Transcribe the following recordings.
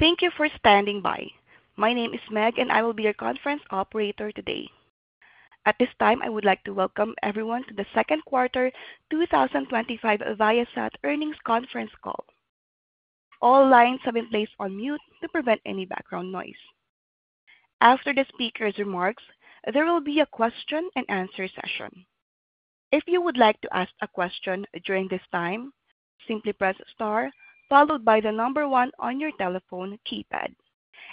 Thank you for standing by. My name is Meg, and I will be your conference operator today. At this time, I would like to welcome everyone to the second quarter 2025 Viasat Earnings Conference Call. All lines have been placed on mute to prevent any background noise. After the speaker's remarks, there will be a question-and-answer session. If you would like to ask a question during this time, simply press star followed by the number one on your telephone keypad.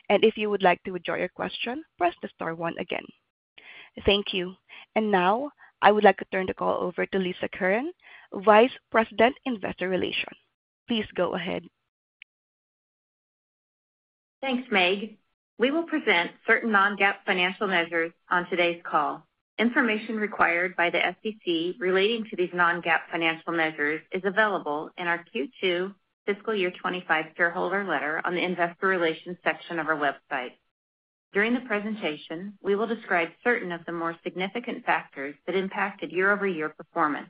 And if you would like to withdraw your question, press the star one again. Thank you. And now, I would like to turn the call over to Lisa Curran, Vice President, Investor Relations. Please go ahead. Thanks, Meg. We will present certain non-GAAP financial measures on today's call. Information required by the SEC relating to these non-GAAP financial measures is available in our Q2 fiscal year 2025 shareholder letter on the Investor Relations section of our website. During the presentation, we will describe certain of the more significant factors that impacted year-over-year performance.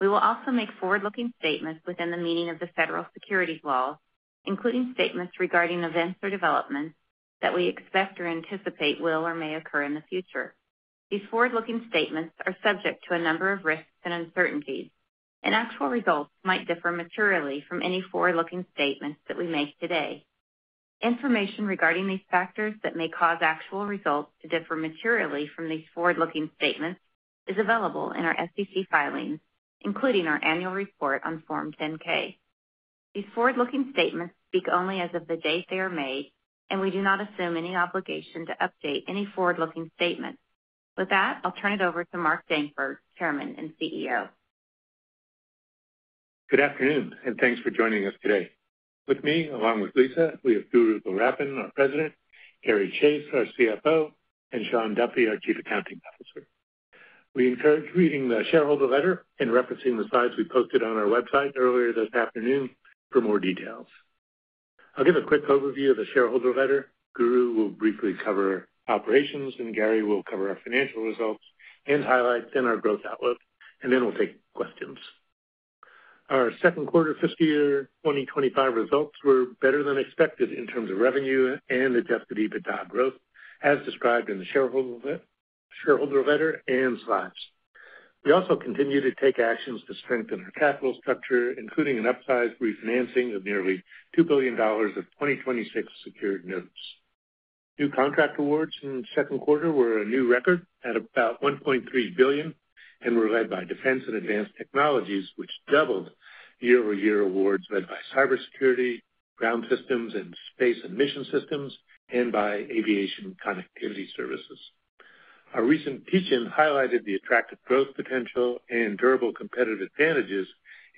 We will also make forward-looking statements within the meaning of the federal securities law, including statements regarding events or developments that we expect or anticipate will or may occur in the future. These forward-looking statements are subject to a number of risks and uncertainties, and actual results might differ materially from any forward-looking statements that we make today. Information regarding these factors that may cause actual results to differ materially from these forward-looking statements is available in our SEC filings, including our annual report on Form 10-K. These forward-looking statements speak only as of the date they are made, and we do not assume any obligation to update any forward-looking statements. With that, I'll turn it over to Mark Dankberg, Chairman and CEO. Good afternoon, and thanks for joining us today. With me, along with Lisa, we have Guru Gowrappan, our President, Gary Chase, our CFO, and Shawn Duffy, our Chief Accounting Officer. We encourage reading the shareholder letter and referencing the slides we posted on our website earlier this afternoon for more details. I'll give a quick overview of the shareholder letter. Guru will briefly cover operations, and Gary will cover our financial results and highlights in our growth outlook, and then we'll take questions. Our second quarter fiscal year 2025 results were better than expected in terms of revenue and adjusted EBITDA growth, as described in the shareholder letter and slides. We also continue to take actions to strengthen our capital structure, including an upsized refinancing of nearly $2 billion of 2026 secured notes. New contract awards in the second quarter were a new record at about $1.3 billion and were led by Defense and Advanced Technologies, which doubled year-over-year awards led by cybersecurity, ground systems, and space and mission systems, and by aviation connectivity services. Our recent teach-in highlighted the attractive growth potential and durable competitive advantages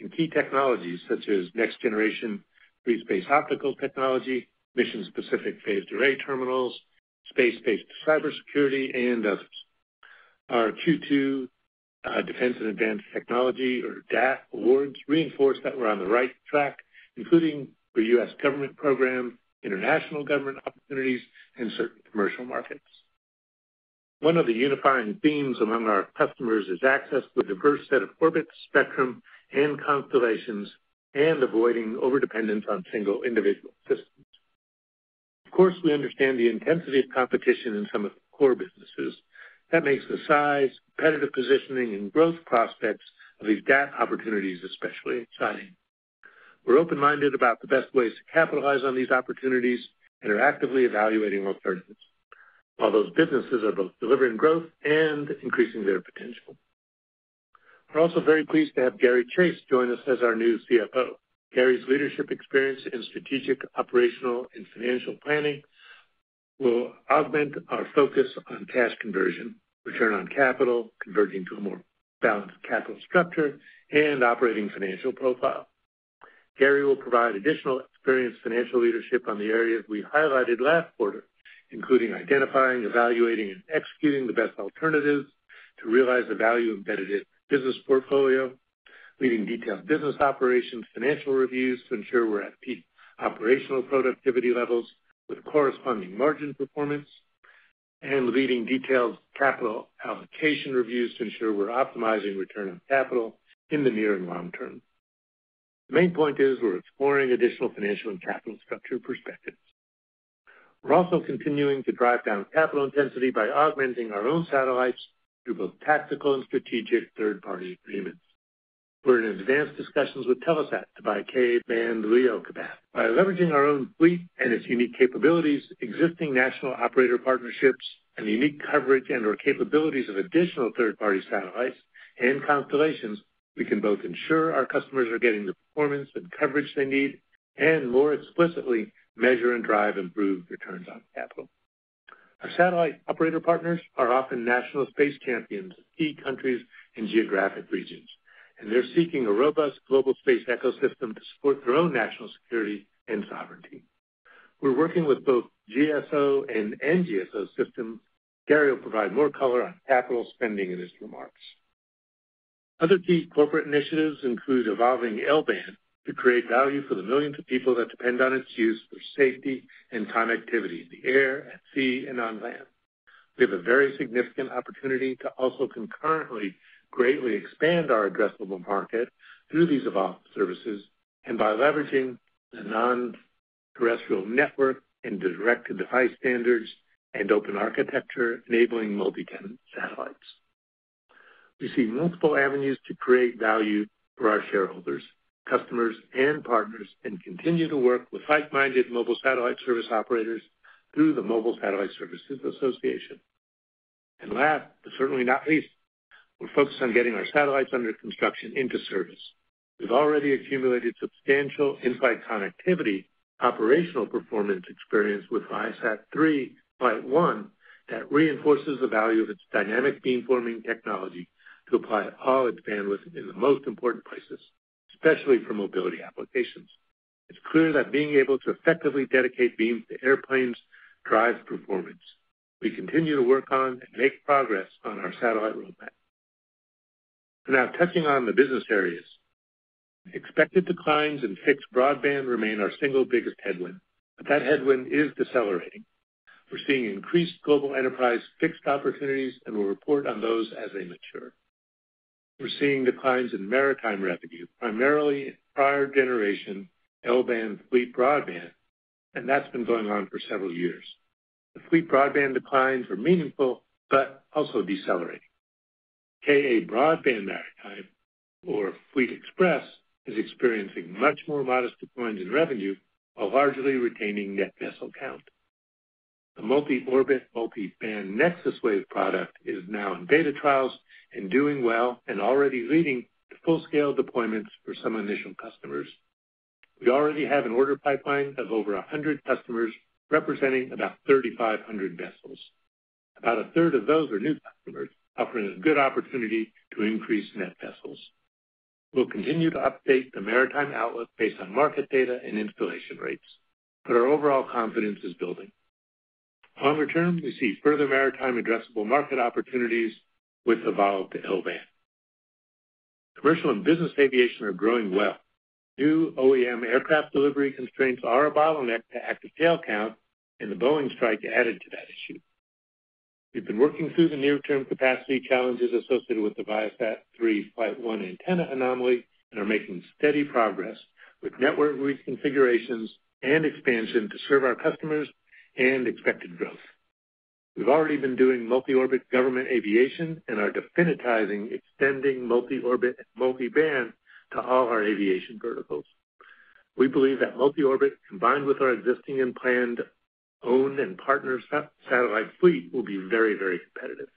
in key technologies such as next-generation free space optical technology, mission-specific phased array terminals, space-based cybersecurity, and others. Our Q2 Defense and Advanced Technology, or DAT, awards reinforced that we're on the right track, including for U.S. government programs, international government opportunities, and certain commercial markets. One of the unifying themes among our customers is access to a diverse set of orbits, spectrum, and constellations, and avoiding overdependence on single individual systems. Of course, we understand the intensity of competition in some of the core businesses. That makes the size, competitive positioning, and growth prospects of these DAT opportunities especially exciting. We're open-minded about the best ways to capitalize on these opportunities and are actively evaluating alternatives, while those businesses are both delivering growth and increasing their potential. We're also very pleased to have Gary Chase join us as our new CFO. Gary's leadership experience in strategic, operational, and financial planning will augment our focus on cash conversion, return on capital, converting to a more balanced capital structure, and operating financial profile. Gary will provide additional experienced financial leadership on the areas we highlighted last quarter, including identifying, evaluating, and executing the best alternatives to realize the value embedded in the business portfolio, leading detailed business operations, financial reviews to ensure we're at peak operational productivity levels with corresponding margin performance, and leading detailed capital allocation reviews to ensure we're optimizing return on capital in the near and long term. The main point is we're exploring additional financial and capital structure perspectives. We're also continuing to drive down capital intensity by augmenting our own satellites through both tactical and strategic third-party agreements. We're in advanced discussions with Telesat to buy Ka-band and LEO capacity. By leveraging our own fleet and its unique capabilities, existing national operator partnerships, and the unique coverage and/or capabilities of additional third-party satellites and constellations, we can both ensure our customers are getting the performance and coverage they need and, more explicitly, measure and drive improved returns on capital. Our satellite operator partners are often national space champions in key countries and geographic regions, and they're seeking a robust global space ecosystem to support their own national security and sovereignty. We're working with both GSO and NGSO systems. Gary will provide more color on capital spending in his remarks. Other key corporate initiatives include evolving L-band to create value for the millions of people that depend on its use for safety and connectivity in the air, at sea, and on land. We have a very significant opportunity to also concurrently greatly expand our addressable market through these evolved services and by leveraging the non-terrestrial network and direct-to-device standards and open architecture enabling multi-tenant satellites. We see multiple avenues to create value for our shareholders, customers, and partners and continue to work with like-minded mobile satellite service operators through the Mobile Satellite Services Association. And last but certainly not least, we're focused on getting our satellites under construction into service. We've already accumulated substantial in-flight connectivity operational performance experience with ViaSat-3 F1 that reinforces the value of its dynamic beamforming technology to apply all its bandwidth in the most important places, especially for mobility applications. It's clear that being able to effectively dedicate beams to airplanes drives performance. We continue to work on and make progress on our satellite roadmap. Now, touching on the business areas, expected declines in fixed broadband remain our single biggest headwind, but that headwind is decelerating. We're seeing increased global enterprise fixed opportunities, and we'll report on those as they mature. We're seeing declines in maritime revenue, primarily in prior-generation L-band FleetBroadband, and that's been going on for several years. The FleetBroadband declines are meaningful but also decelerating. Ka-band broadband maritime, or Fleet Xpress, is experiencing much more modest declines in revenue while largely retaining net vessel count. The multi-orbit, multi-band NexusWave product is now in beta trials and doing well and already leading to full-scale deployments for some initial customers. We already have an order pipeline of over 100 customers representing about 3,500 vessels. About a third of those are new customers, offering a good opportunity to increase net vessels. We'll continue to update the maritime outlook based on market data and installation rates, but our overall confidence is building. Longer term, we see further maritime addressable market opportunities with evolved L-band. Commercial and business aviation are growing well. New OEM aircraft delivery constraints are a bottleneck to active tail count, and the Boeing strike added to that issue. We've been working through the near-term capacity challenges associated with the ViaSat-3 F1 antenna anomaly and are making steady progress with network reconfigurations and expansion to serve our customers and expected growth. We've already been doing multi-orbit government aviation and are definitizing extending multi-orbit and multi-band to all our aviation verticals. We believe that multi-orbit, combined with our existing and planned owned and partnered satellite fleet, will be very, very competitive.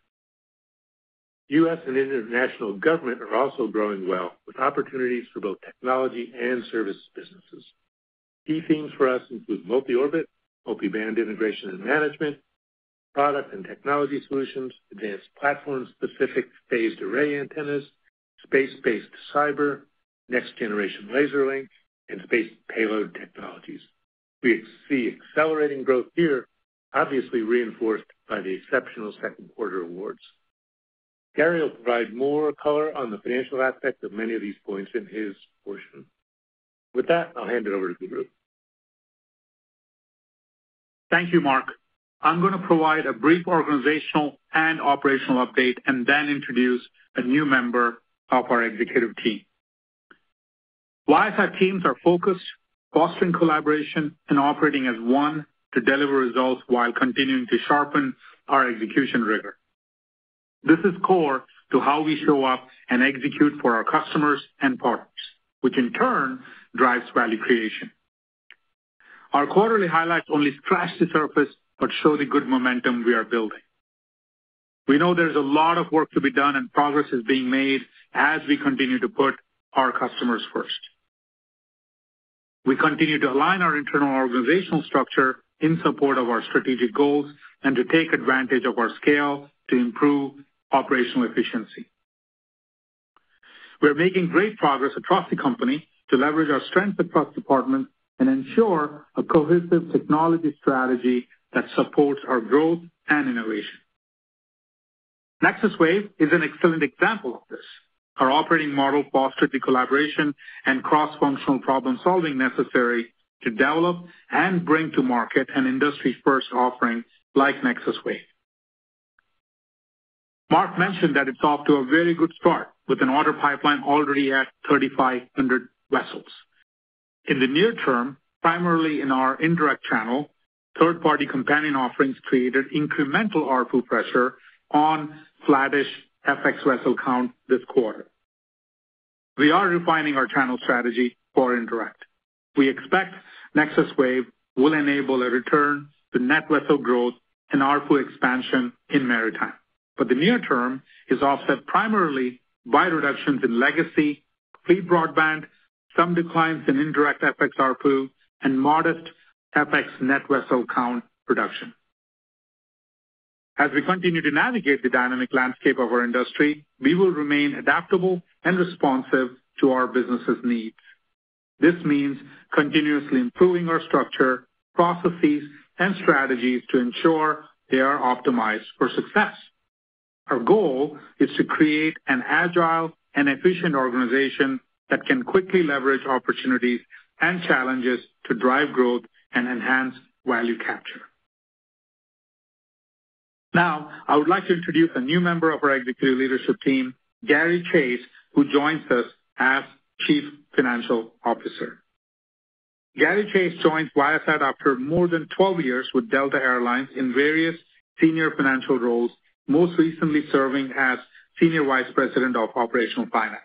U.S. and international government are also growing well with opportunities for both technology and services businesses. Key themes for us include multi-orbit, multi-band integration and management, product and technology solutions, advanced platform-specific phased array antennas, space-based cyber, next-generation laser link, and space payload technologies. We see accelerating growth here, obviously reinforced by the exceptional second quarter awards. Gary will provide more color on the financial aspect of many of these points in his portion. With that, I'll hand it over to Guru. Thank you, Mark. I'm going to provide a brief organizational and operational update and then introduce a new member of our executive team. Viasat teams are focused, fostering collaboration, and operating as one to deliver results while continuing to sharpen our execution rigor. This is core to how we show up and execute for our customers and partners, which in turn drives value creation. Our quarterly highlights only scratch the surface but show the good momentum we are building. We know there's a lot of work to be done, and progress is being made as we continue to put our customers first. We continue to align our internal organizational structure in support of our strategic goals and to take advantage of our scale to improve operational efficiency. We're making great progress across the company to leverage our strengths across departments and ensure a cohesive technology strategy that supports our growth and innovation. NexusWave is an excellent example of this. Our operating model fostered the collaboration and cross-functional problem-solving necessary to develop and bring to market an industry-first offering like NexusWave. Mark mentioned that it's off to a very good start with an order pipeline already at 3,500 vessels. In the near term, primarily in our indirect channel, third-party companion offerings created incremental RFU pressure on flatish FX vessel count this quarter. We are refining our channel strategy for indirect. We expect NexusWave will enable a return to net vessel growth and RFU expansion in maritime, but the near term is offset primarily by reductions in legacy FleetBroadband, some declines in indirect FX RFU, and modest FX net vessel count reduction. As we continue to navigate the dynamic landscape of our industry, we will remain adaptable and responsive to our business's needs. This means continuously improving our structure, processes, and strategies to ensure they are optimized for success. Our goal is to create an agile and efficient organization that can quickly leverage opportunities and challenges to drive growth and enhance value capture. Now, I would like to introduce a new member of our executive leadership team, Gary Chase, who joins us as Chief Financial Officer. Gary Chase joined Viasat after more than 12 years with Delta Air Lines in various senior financial roles, most recently serving as Senior Vice President of Operational Finance.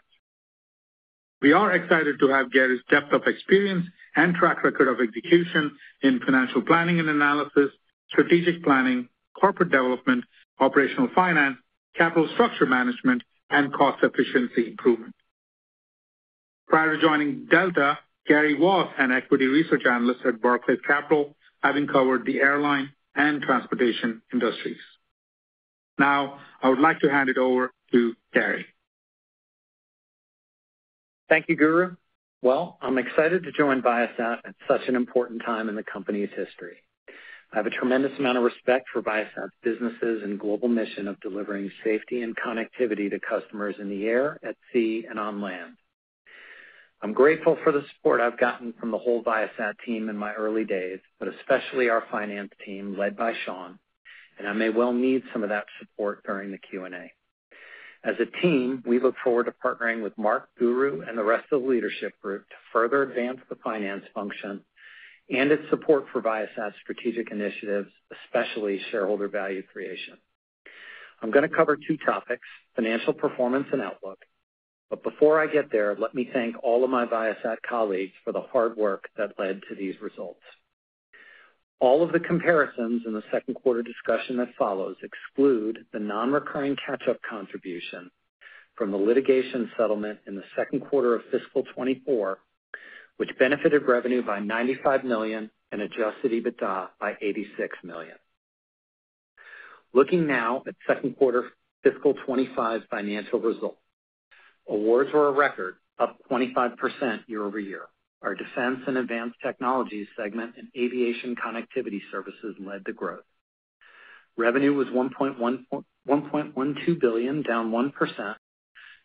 We are excited to have Gary's depth of experience and track record of execution in financial planning and analysis, strategic planning, corporate development, operational finance, capital structure management, and cost efficiency improvement. Prior to joining Delta, Gary was an equity research analyst at Barclays Capital, having covered the airline and transportation industries. Now, I would like to hand it over to Gary. Thank you, Guru. Well, I'm excited to join Viasat at such an important time in the company's history. I have a tremendous amount of respect for Viasat's businesses and global mission of delivering safety and connectivity to customers in the air, at sea, and on land. I'm grateful for the support I've gotten from the whole Viasat team in my early days, but especially our finance team led by Shawn, and I may well need some of that support during the Q&A. As a team, we look forward to partnering with Mark, Guru, and the rest of the leadership group to further advance the finance function and its support for Viasat's strategic initiatives, especially shareholder value creation. I'm going to cover two topics, financial performance and outlook, but before I get there, let me thank all of my Viasat colleagues for the hard work that led to these results. All of the comparisons in the second quarter discussion that follows exclude the non-recurring catch-up contribution from the litigation settlement in the second quarter of fiscal 2024, which benefited revenue by $95 million and Adjusted EBITDA by $86 million. Looking now at second quarter fiscal 2025 financial results, awards were a record of 25% year over year. Our defense and advanced technology segment and aviation connectivity services led the growth. Revenue was $1.12 billion, down 1%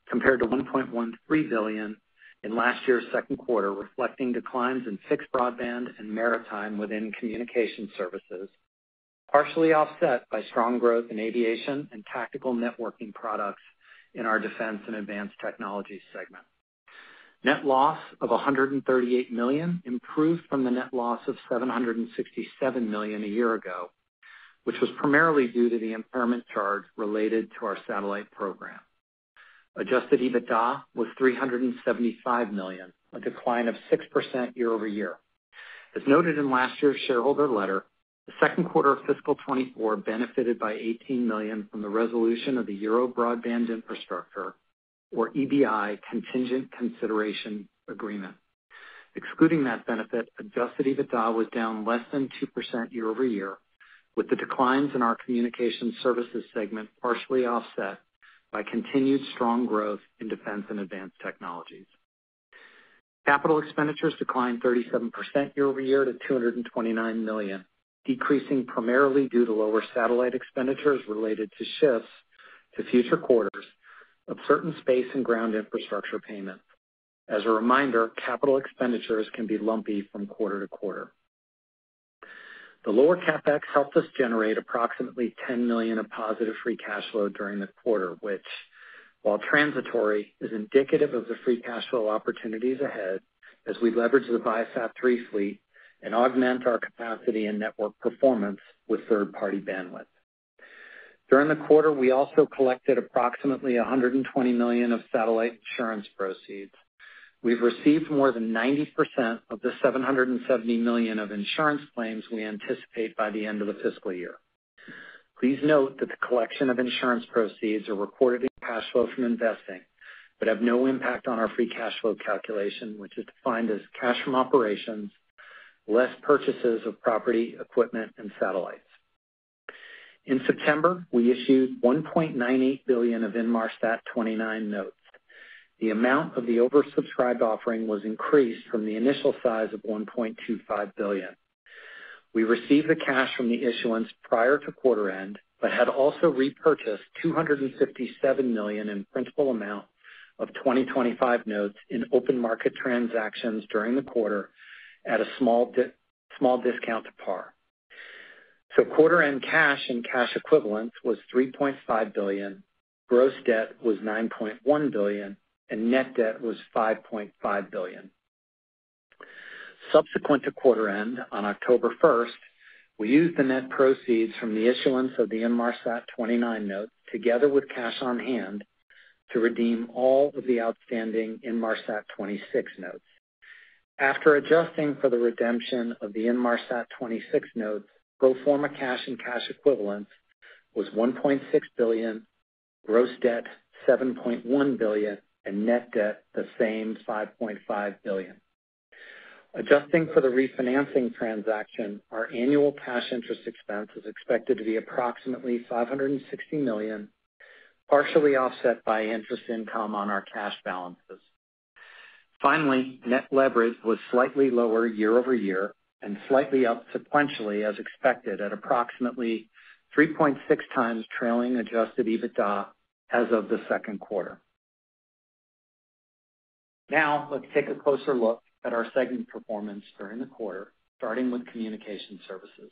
compared to $1.13 billion in last year's second quarter, reflecting declines in fixed broadband and maritime within communication services, partially offset by strong growth in aviation and tactical networking products in our defense and advanced technology segment. Net loss of $138 million improved from the net loss of $767 million a year ago, which was primarily due to the impairment charge related to our satellite program. Adjusted EBITDA was $375 million, a decline of 6% year over year. As noted in last year's shareholder letter, the second quarter of fiscal 2024 benefited by $18 million from the resolution of the Euro Broadband Infrastructure, or EBI, contingent consideration agreement. Excluding that benefit, adjusted EBITDA was down less than 2% year over year, with the declines in our communication services segment partially offset by continued strong growth in defense and advanced technologies. Capital expenditures declined 37% year over year to $229 million, decreasing primarily due to lower satellite expenditures related to shifts to future quarters of certain space and ground infrastructure payments. As a reminder, capital expenditures can be lumpy from quarter to quarter. The lower CapEx helped us generate approximately $10 million of positive free cash flow during the quarter, which, while transitory, is indicative of the free cash flow opportunities ahead as we leverage the ViaSat-3 fleet and augment our capacity and network performance with third-party bandwidth. During the quarter, we also collected approximately $120 million of satellite insurance proceeds. We've received more than 90% of the $770 million of insurance claims we anticipate by the end of the fiscal year. Please note that the collection of insurance proceeds are recorded in cash flow from investing but have no impact on our free cash flow calculation, which is defined as cash from operations, less purchases of property, equipment, and satellites. In September, we issued $1.98 billion of Inmarsat 2029 notes. The amount of the oversubscribed offering was increased from the initial size of $1.25 billion. We received the cash from the issuance prior to quarter end but had also repurchased $257 million in principal amount of 2025 notes in open market transactions during the quarter at a small discount to par, so quarter end cash and cash equivalents was $3.5 billion, gross debt was $9.1 billion, and net debt was $5.5 billion. Subsequent to quarter end, on October 1st, we used the net proceeds from the issuance of the Inmarsat 2029 notes together with cash on hand to redeem all of the outstanding Inmarsat 2026 notes. After adjusting for the redemption of the Inmarsat 2026 notes, pro forma cash and cash equivalents was $1.6 billion, gross debt $7.1 billion, and net debt the same $5.5 billion. Adjusting for the refinancing transaction, our annual cash interest expense is expected to be approximately $560 million, partially offset by interest income on our cash balances. Finally, net leverage was slightly lower year over year and slightly up sequentially, as expected, at approximately 3.6 times trailing Adjusted EBITDA as of the second quarter. Now, let's take a closer look at our segment performance during the quarter, starting with communication services.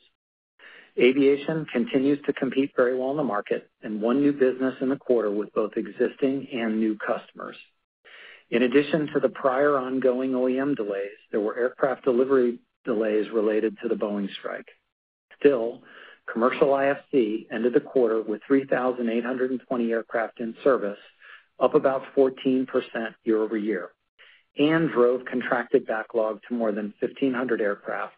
Aviation continues to compete very well in the market and won new business in the quarter with both existing and new customers. In addition to the prior ongoing OEM delays, there were aircraft delivery delays related to the Boeing strike. Still, commercial IFC ended the quarter with 3,820 aircraft in service, up about 14% year over year, and drove contracted backlog to more than 1,500 aircraft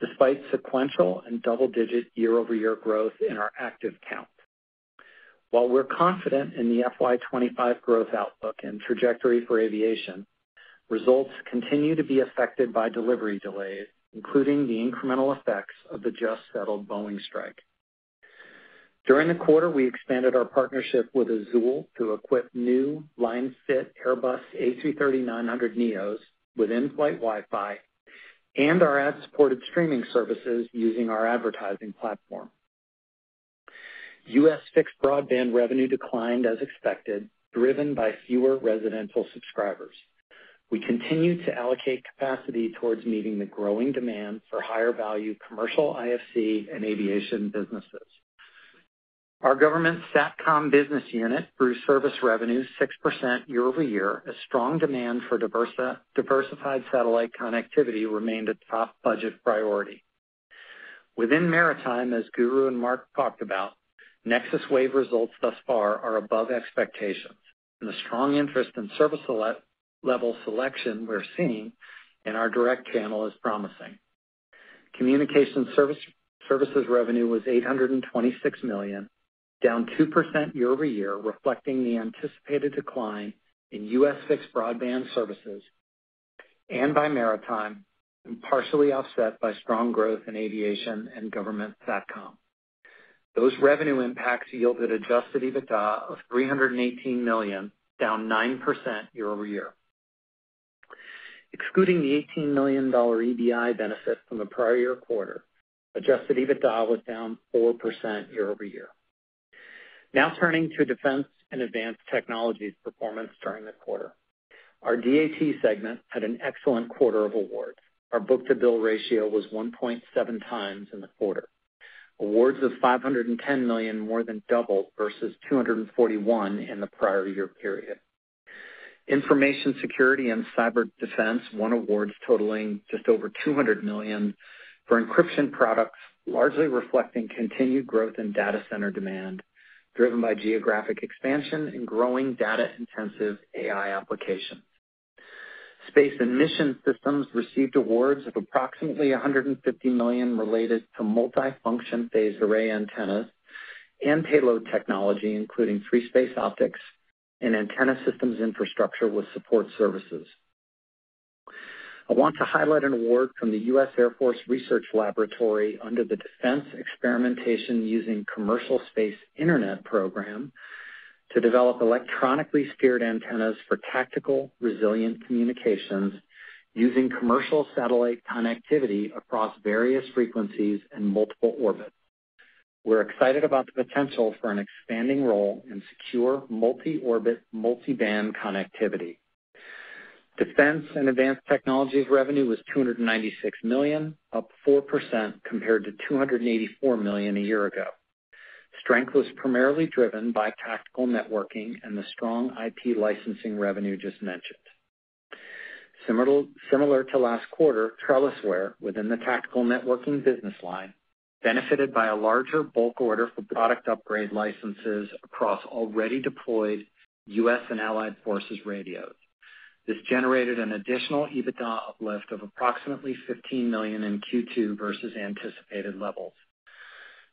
despite sequential and double-digit year-over-year growth in our active count. While we're confident in the FY25 growth outlook and trajectory for aviation, results continue to be affected by delivery delays, including the incremental effects of the just-settled Boeing strike. During the quarter, we expanded our partnership with Azul to equip new line-fit Airbus A330-900neos with in-flight Wi-Fi and our ad-supported streaming services using our advertising platform. U.S. fixed broadband revenue declined as expected, driven by fewer residential subscribers. We continue to allocate capacity towards meeting the growing demand for higher-value commercial IFC and aviation businesses. Our government SATCOM business unit grew service revenue 6% year over year, as strong demand for diversified satellite connectivity remained a top budget priority. Within maritime, as Guru and Mark talked about, NexusWave results thus far are above expectations, and the strong interest in service level selection we're seeing in our direct channel is promising. Communication services revenue was $826 million, down 2% year over year, reflecting the anticipated decline in U.S. fixed broadband services and in maritime, and partially offset by strong growth in aviation and government SATCOM. Those revenue impacts yielded Adjusted EBITDA of $318 million, down 9% year over year. Excluding the $18 million EBI benefit from the prior year quarter, Adjusted EBITDA was down 4% year over year. Now, turning to defense and advanced technologies performance during the quarter, our DAT segment had an excellent quarter of awards. Our book-to-bill ratio was 1.7 times in the quarter. Awards of $510 million more than doubled versus $241 million in the prior year period. Information security and cyber defense won awards totaling just over $200 million for encryption products, largely reflecting continued growth in data center demand driven by geographic expansion and growing data-intensive AI applications. Space and mission systems received awards of approximately $150 million related to multi-function phased array antennas and payload technology, including free space optics and antenna systems infrastructure with support services. I want to highlight an award from the U.S. Air Force Research Laboratory under the Defense Experimentation Using Commercial Space Internet Program to develop electronically steered antennas for tactical resilient communications using commercial satellite connectivity across various frequencies and multiple orbits. We're excited about the potential for an expanding role in secure multi-orbit, multi-band connectivity. Defense and advanced technologies revenue was $296 million, up 4% compared to $284 million a year ago. Strength was primarily driven by tactical networking and the strong IP licensing revenue just mentioned. Similar to last quarter, TrellisWare, within the tactical networking business line, benefited by a larger bulk order for product upgrade licenses across already deployed U.S. and allied forces radios. This generated an additional EBITDA uplift of approximately $15 million in Q2 versus anticipated levels.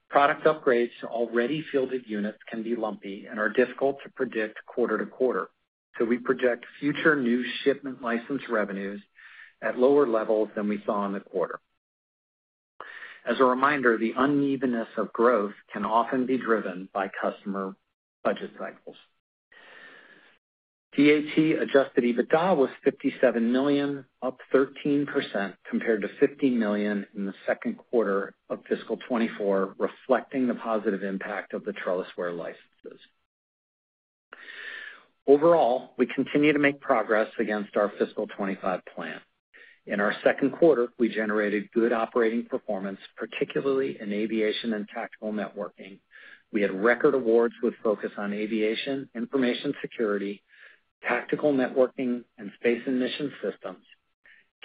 Product upgrades to already fielded units can be lumpy and are difficult to predict quarter to quarter, so we project future new shipment license revenues at lower levels than we saw in the quarter. As a reminder, the unevenness of growth can often be driven by customer budget cycles. DAT adjusted EBITDA was $57 million, up 13% compared to $15 million in the second quarter of fiscal 2024, reflecting the positive impact of the TrellisWare licenses. Overall, we continue to make progress against our fiscal 2025 plan. In our second quarter, we generated good operating performance, particularly in aviation and tactical networking. We had record awards with focus on aviation, information security, tactical networking, and space and mission systems.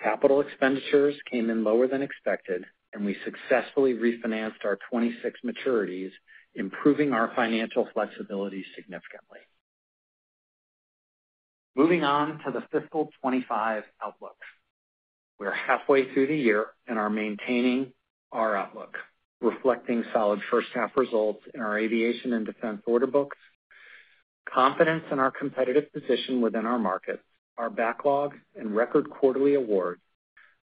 Capital expenditures came in lower than expected, and we successfully refinanced our 2026 maturities, improving our financial flexibility significantly. Moving on to the fiscal 2025 outlook. We're halfway through the year and are maintaining our outlook, reflecting solid first-half results in our aviation and defense order books, confidence in our competitive position within our markets, our backlog, and record quarterly awards,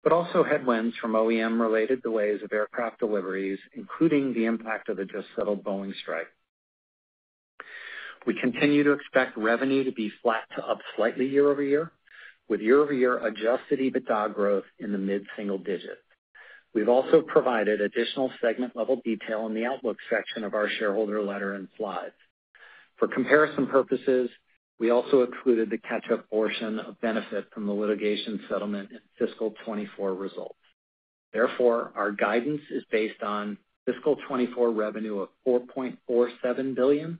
but also headwinds from OEM-related delays of aircraft deliveries, including the impact of the just-settled Boeing strike. We continue to expect revenue to be flat to up slightly year over year, with year-over-year adjusted EBITDA growth in the mid-single digit. We've also provided additional segment-level detail in the outlook section of our shareholder letter and slides. For comparison purposes, we also excluded the catch-up portion of benefit from the litigation settlement in fiscal 2024 results. Therefore, our guidance is based on fiscal 2024 revenue of $4.47 billion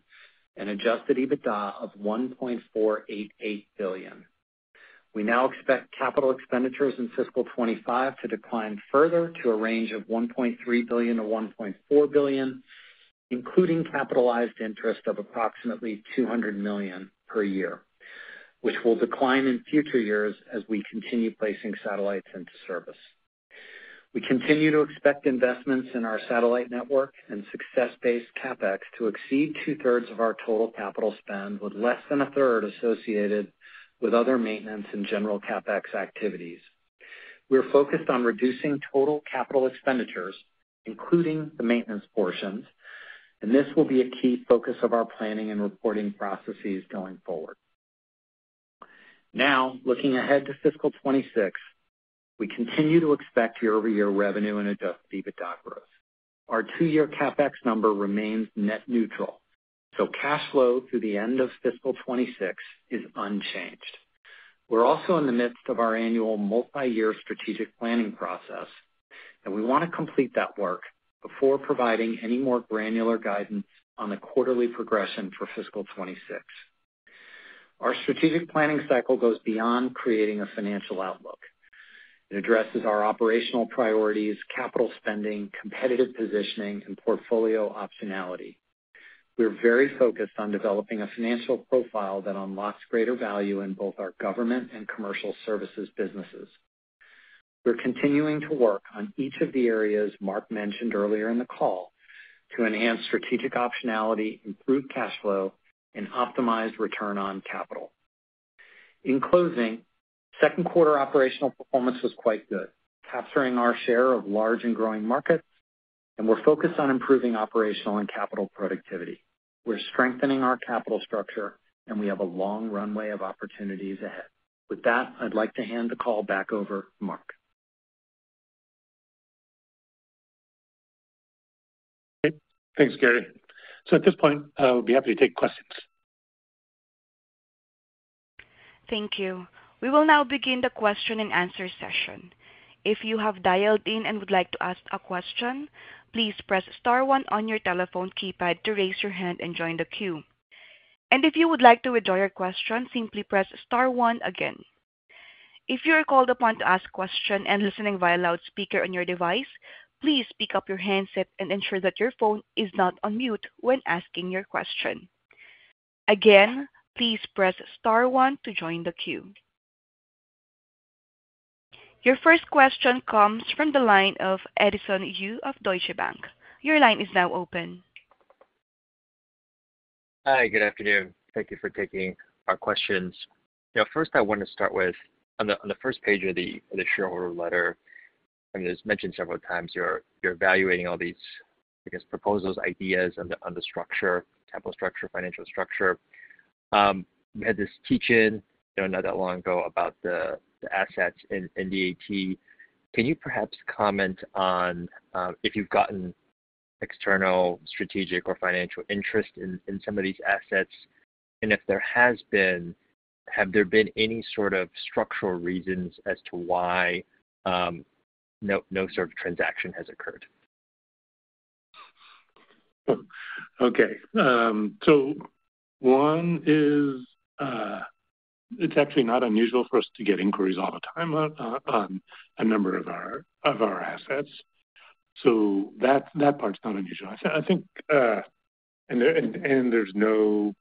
and adjusted EBITDA of $1.488 billion. We now expect capital expenditures in fiscal 2025 to decline further to a range of $1.3 billion-$1.4 billion, including capitalized interest of approximately $200 million per year, which will decline in future years as we continue placing satellites into service. We continue to expect investments in our satellite network and success-based CapEx to exceed two-thirds of our total capital spend, with less than a third associated with other maintenance and general CapEx activities. We're focused on reducing total capital expenditures, including the maintenance portions, and this will be a key focus of our planning and reporting processes going forward. Now, looking ahead to fiscal 2026, we continue to expect year-over-year revenue and adjusted EBITDA growth. Our two-year CapEx number remains net neutral, so cash flow through the end of fiscal 2026 is unchanged. We're also in the midst of our annual multi-year strategic planning process, and we want to complete that work before providing any more granular guidance on the quarterly progression for fiscal 2026. Our strategic planning cycle goes beyond creating a financial outlook. It addresses our operational priorities, capital spending, competitive positioning, and portfolio optionality. We're very focused on developing a financial profile that unlocks greater value in both our government and commercial services businesses. We're continuing to work on each of the areas Mark mentioned earlier in the call to enhance strategic optionality, improve cash flow, and optimize return on capital. In closing, second quarter operational performance was quite good, capturing our share of large and growing markets, and we're focused on improving operational and capital productivity. We're strengthening our capital structure, and we have a long runway of opportunities ahead. With that, I'd like to hand the call back over to Mark. Okay. Thanks, Gary. So at this point, I would be happy to take questions. Thank you. We will now begin the question and answer session. If you have dialed in and would like to ask a question, please press star one on your telephone keypad to raise your hand and join the queue. And if you would like to withdraw your question, simply press star one again. If you are called upon to ask a question and listening via loudspeaker on your device, please pick up your handset and ensure that your phone is not on mute when asking your question. Again, please press star one to join the queue. Your first question comes from the line of Edison Yu of Deutsche Bank. Your line is now open. Hi. Good afternoon. Thank you for taking our questions. First, I want to start with, on the first page of the shareholder letter, it was mentioned several times you're evaluating all these proposals, ideas on the structure, capital structure, financial structure. We had this teach-in not that long ago about the assets in DAT. Can you perhaps comment on if you've gotten external strategic or financial interest in some of these assets? And if there has been, have there been any sort of structural reasons as to why no sort of transaction has occurred? Okay. So one is it's actually not unusual for us to get inquiries all the time on a number of our assets. So that part's not unusual. I think, and there's no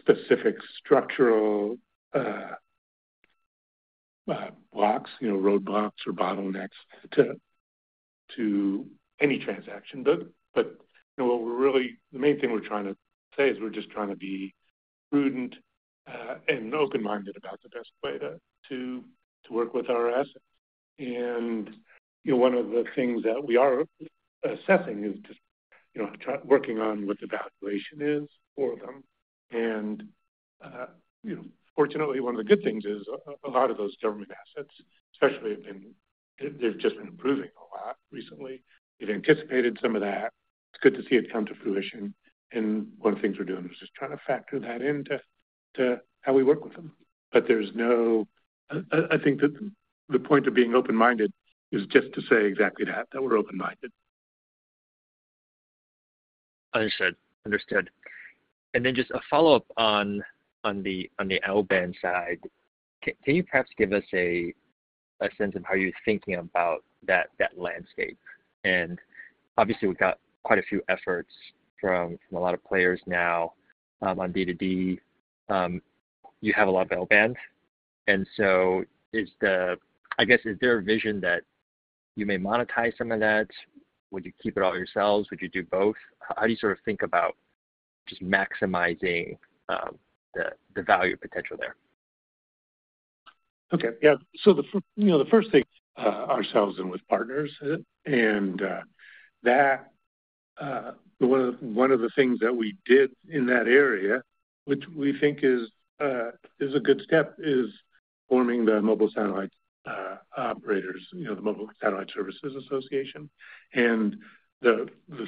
specific structural blocks, roadblocks, or bottlenecks to any transaction. But what we're really the main thing we're trying to say is we're just trying to be prudent and open-minded about the best way to work with our assets. And one of the things that we are assessing is just working on what the valuation is for them. And fortunately, one of the good things is a lot of those government assets, especially, have been they've just been improving a lot recently. We've anticipated some of that. It's good to see it come to fruition. And one of the things we're doing is just trying to factor that into how we work with them. But there's no, I think, that the point of being open-minded is just to say exactly that, that we're open-minded. Understood. Understood. And then just a follow-up on the outbound side. Can you perhaps give us a sense of how you're thinking about that landscape? Obviously, we've got quite a few efforts from a lot of players now on direct-to-device. You have a lot of outbound. And so I guess, is there a vision that you may monetize some of that? Would you keep it all yourselves? Would you do both? How do you sort of think about just maximizing the value potential there? Okay. Yeah. The first thing is ourselves and with partners. And one of the things that we did in that area, which we think is a good step, is forming the Mobile Satellite Services Association. The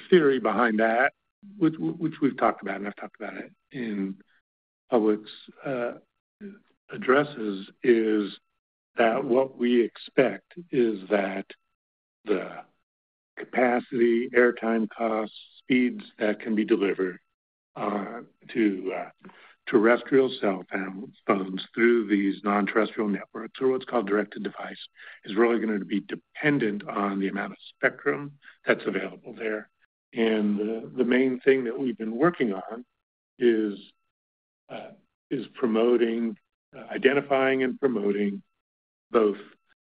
theory behind that, which we've talked about and I've talked about it in public addresses, is that what we expect is that the capacity, airtime costs, speeds that can be delivered to terrestrial cell phones through these non-terrestrial networks, or what's called direct-to-device, is really going to be dependent on the amount of spectrum that's available there. The main thing that we've been working on is identifying and promoting both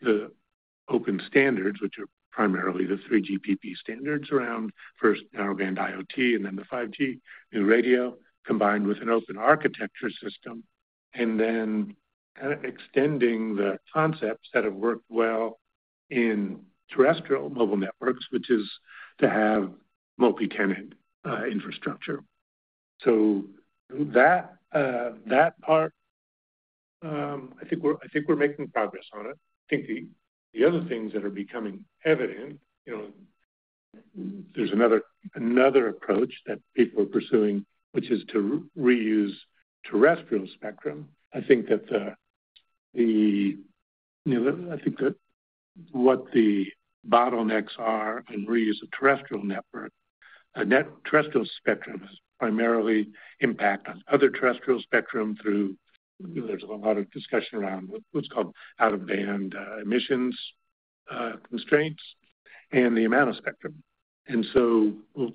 the open standards, which are primarily the 3GPP standards around first narrowband IoT and then the 5G radio, combined with an open architecture system, and then extending the concepts that have worked well in terrestrial mobile networks, which is to have multi-tenant infrastructure. So that part, I think we're making progress on it. I think the other things that are becoming evident, there's another approach that people are pursuing, which is to reuse terrestrial spectrum. I think that what the bottlenecks are in reuse of terrestrial network terrestrial spectrum is primarily impact on other terrestrial spectrum. Through there's a lot of discussion around what's called out-of-band emissions constraints and the amount of spectrum. So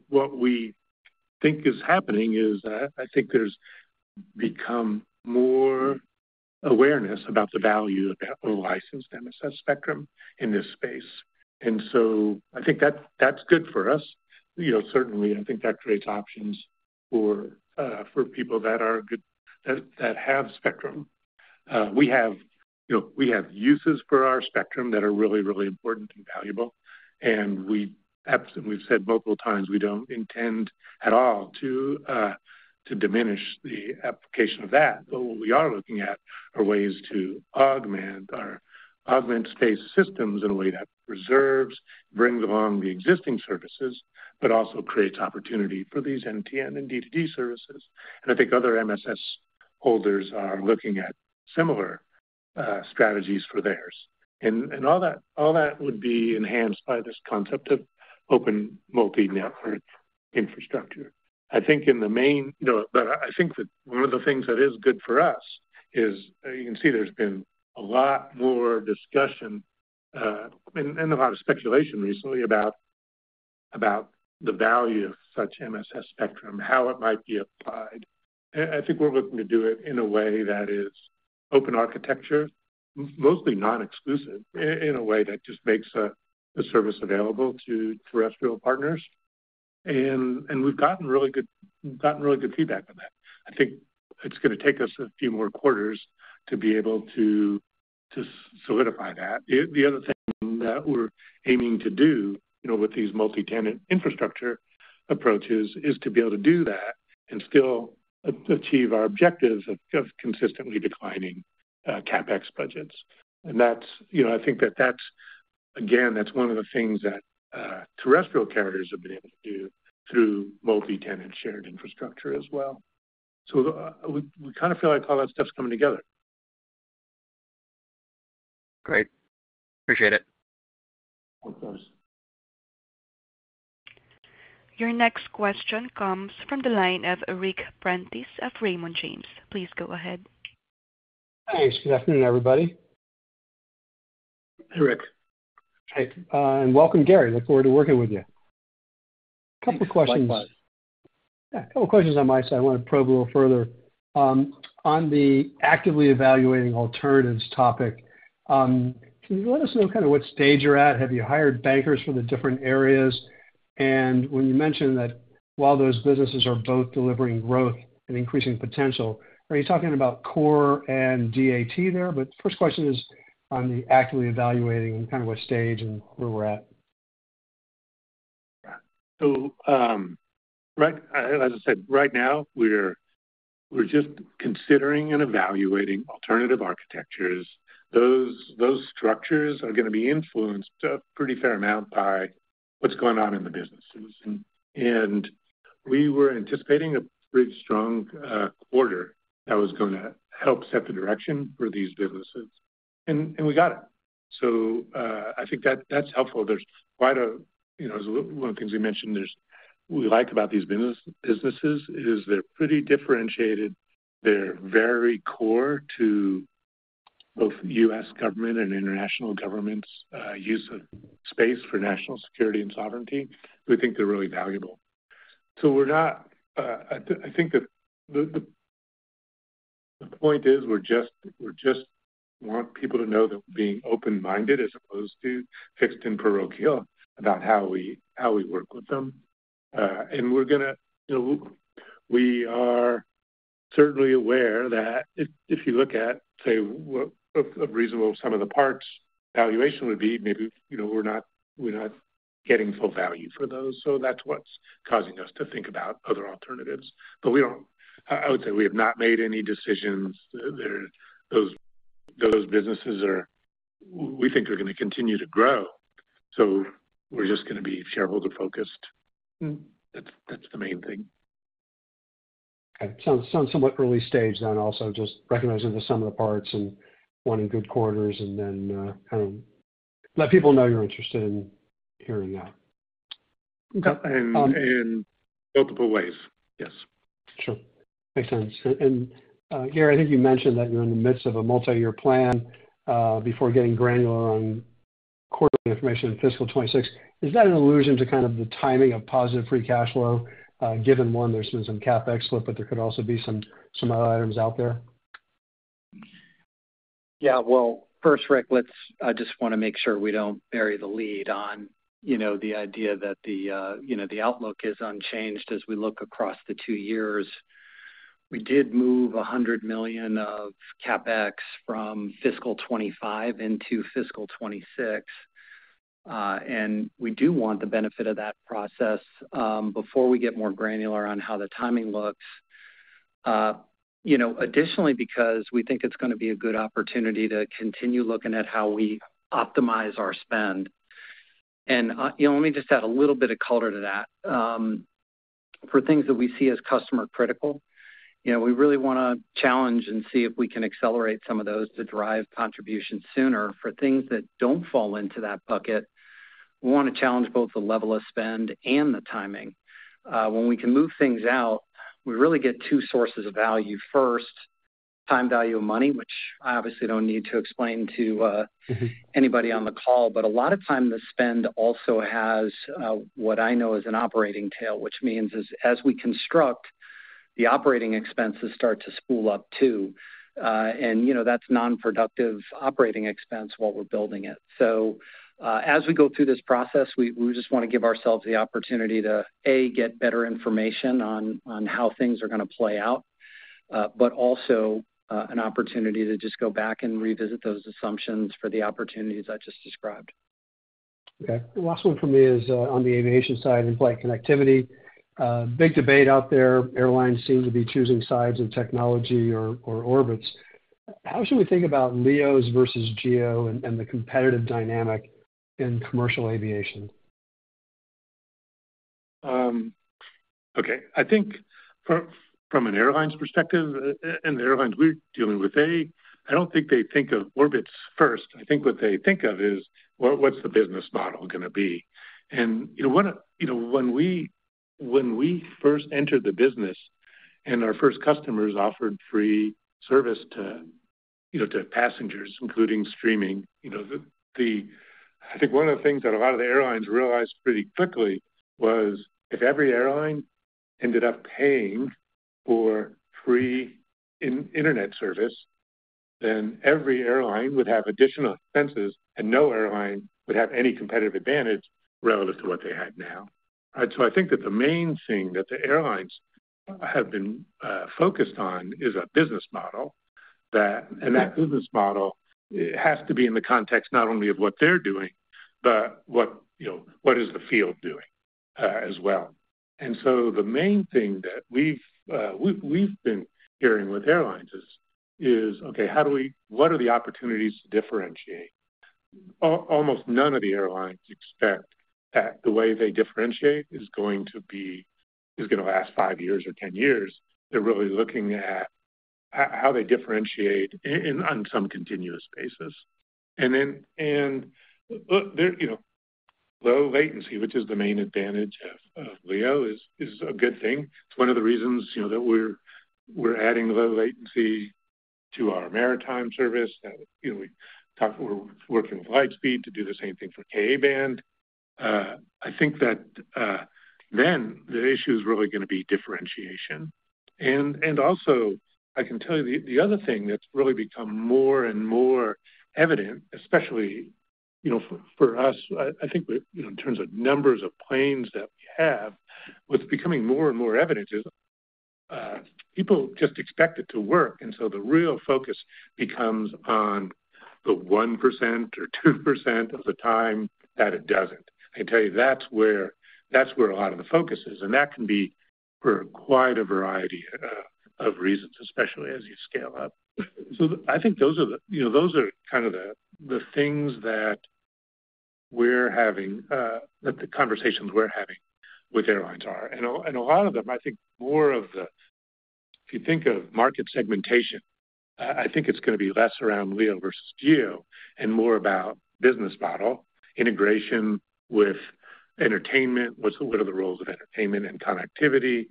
what we think is happening is I think there's become more awareness about the value of licensed MSS spectrum in this space. So I think that's good for us. Certainly, I think that creates options for people that have spectrum. We have uses for our spectrum that are really, really important and valuable. We've said multiple times we don't intend at all to diminish the application of that. But what we are looking at are ways to augment space systems in a way that preserves, brings along the existing services, but also creates opportunity for these NTN and D2D services. And I think other MSS holders are looking at similar strategies for theirs. And all that would be enhanced by this concept of open multi-network infrastructure. I think in the main, but I think that one of the things that is good for us is you can see there's been a lot more discussion and a lot of speculation recently about the value of such MSS spectrum, how it might be applied. I think we're looking to do it in a way that is open architecture, mostly non-exclusive, in a way that just makes a service available to terrestrial partners. And we've gotten really good feedback on that. I think it's going to take us a few more quarters to be able to solidify that. The other thing that we're aiming to do with these multi-tenant infrastructure approaches is to be able to do that and still achieve our objectives of consistently declining CapEx budgets, and I think that that's, again, that's one of the things that terrestrial carriers have been able to do through multi-tenant shared infrastructure as well, so we kind of feellike all that stuff's coming together. Great. Appreciate it. Of course. Your next question comes from the line of Ric Prentiss of Raymond James. Please go ahead. Hi. Good afternoon, everybody. Hi, Ric. Hi. And welcome, Gary. Look forward to working with you. Couple of questions. Yeah. Couple of questions on my side. I want to probe a little further. On the actively evaluating alternatives topic, can you let us know kind of what stage you're at? Have you hired bankers for the different areas? When you mentioned that while those businesses are both delivering growth and increasing potential, are you talking about core and DAT there? The first question is on the actively evaluating and kind of what stage and where we're at. As I said, right now, we're just considering and evaluating alternative architectures. Those structures are going to be influenced a pretty fair amount by what's going on in the businesses. We were anticipating a pretty strong quarter that was going to help set the direction for these businesses. We got it. I think that's helpful. One of the things we mentioned we like about these businesses is they're pretty differentiated. They're very core to both U.S. government and international government's use of space for national security and sovereignty. We think they're really valuable. So I think the point is we just want people to know that we're being open-minded as opposed to fixed and parochial about how we work with them. And we are certainly aware that if you look at, say, a reasonable sum of the parts, valuation would be maybe we're not getting full value for those. So that's what's causing us to think about other alternatives. But I would say we have not made any decisions. Those businesses, we think, are going to continue to grow. So we're just going to be shareholder-focused. That's the main thing. Okay. Sounds somewhat early stage then also, just recognizing the sum of the parts and wanting good quarters and then kind of let people know you're interested in hearing that. And multiple ways. Yes. Sure. Makes sense. Gary, I think you mentioned that you're in the midst of a multi-year plan. Before getting granular on quarterly information in fiscal 2026, is that an allusion to kind of the timing of positive free cash flow? Given one, there's been some CapEx slip, but there could also be some other items out there. Yeah. Well, first, Ric, I just want to make sure we don't bury the lead on the idea that the outlook is unchanged as we look across the two years. We did move $100 million of CapEx from fiscal 2025 into fiscal 2026. And we do want the benefit of that process before we get more granular on how the timing looks. Additionally, because we think it's going to be a good opportunity to continue looking at how we optimize our spend. And let me just add a little bit of color to that. For things that we see as customer-critical, we really want to challenge and see if we can accelerate some of those to drive contribution sooner. For things that don't fall into that bucket, we want to challenge both the level of spend and the timing. When we can move things out, we really get two sources of value. First, time value of money, which I obviously don't need to explain to anybody on the call. But a lot of time, the spend also has what I know is an operating tail, which means as we construct, the operating expenses start to spool up too, and that's non-productive operating expense while we're building it. So as we go through this process, we just want to give ourselves the opportunity to, A, get better information on how things are going to play out, but also an opportunity to just go back and revisit those assumptions for the opportunities I just described. Okay. Last one for me is on the aviation side and flight connectivity. Big debate out there. Airlines seem to be choosing sides in technology or orbits. How should we think about LEOs versus GEO and the competitive dynamic in commercial aviation? Okay. I think from an airline's perspective, and the airlines we're dealing with, I don't think they think of orbits first. I think what they think of is, "What's the business model going to be?," and when we first entered the business and our first customers offered free service to passengers, including streaming, I think one of the things that a lot of the airlines realized pretty quickly was if every airline ended up paying for free internet service, then every airline would have additional expenses and no airline would have any competitive advantage relative to what they had now, so I think that the main thing that the airlines have been focused on is a business model, and that business model has to be in the context not only of what they're doing, but what is the field doing as well. So the main thing that we've been hearing with airlines is, "Okay, what are the opportunities to differentiate?" Almost none of the airlines expect that the way they differentiate is going to last five years or 10 years. They're really looking at how they differentiate on some continuous basis. And then low latency, which is the main advantage of LEO, is a good thing. It's one of the reasons that we're adding low latency to our maritime service. We're working with Lightspeed to do the same thing for Ka-band. I think that then the issue is really going to be differentiation. And also, I can tell you the other thing that's really become more and more evident, especially for us, I think in terms of numbers of planes that we have, what's becoming more and more evident is people just expect it to work. And so the real focus becomes on the 1% or 2% of the time that it doesn't. I can tell you that's where a lot of the focus is. And that can be for quite a variety of reasons, especially as you scale up. So I think those are the kind of the things that we're having, that the conversations we're having with airlines are. And a lot of them, I think more of the if you think of market segmentation, I think it's going to be less around LEO versus GEO and more about business model, integration with entertainment. What are the roles of entertainment and connectivity?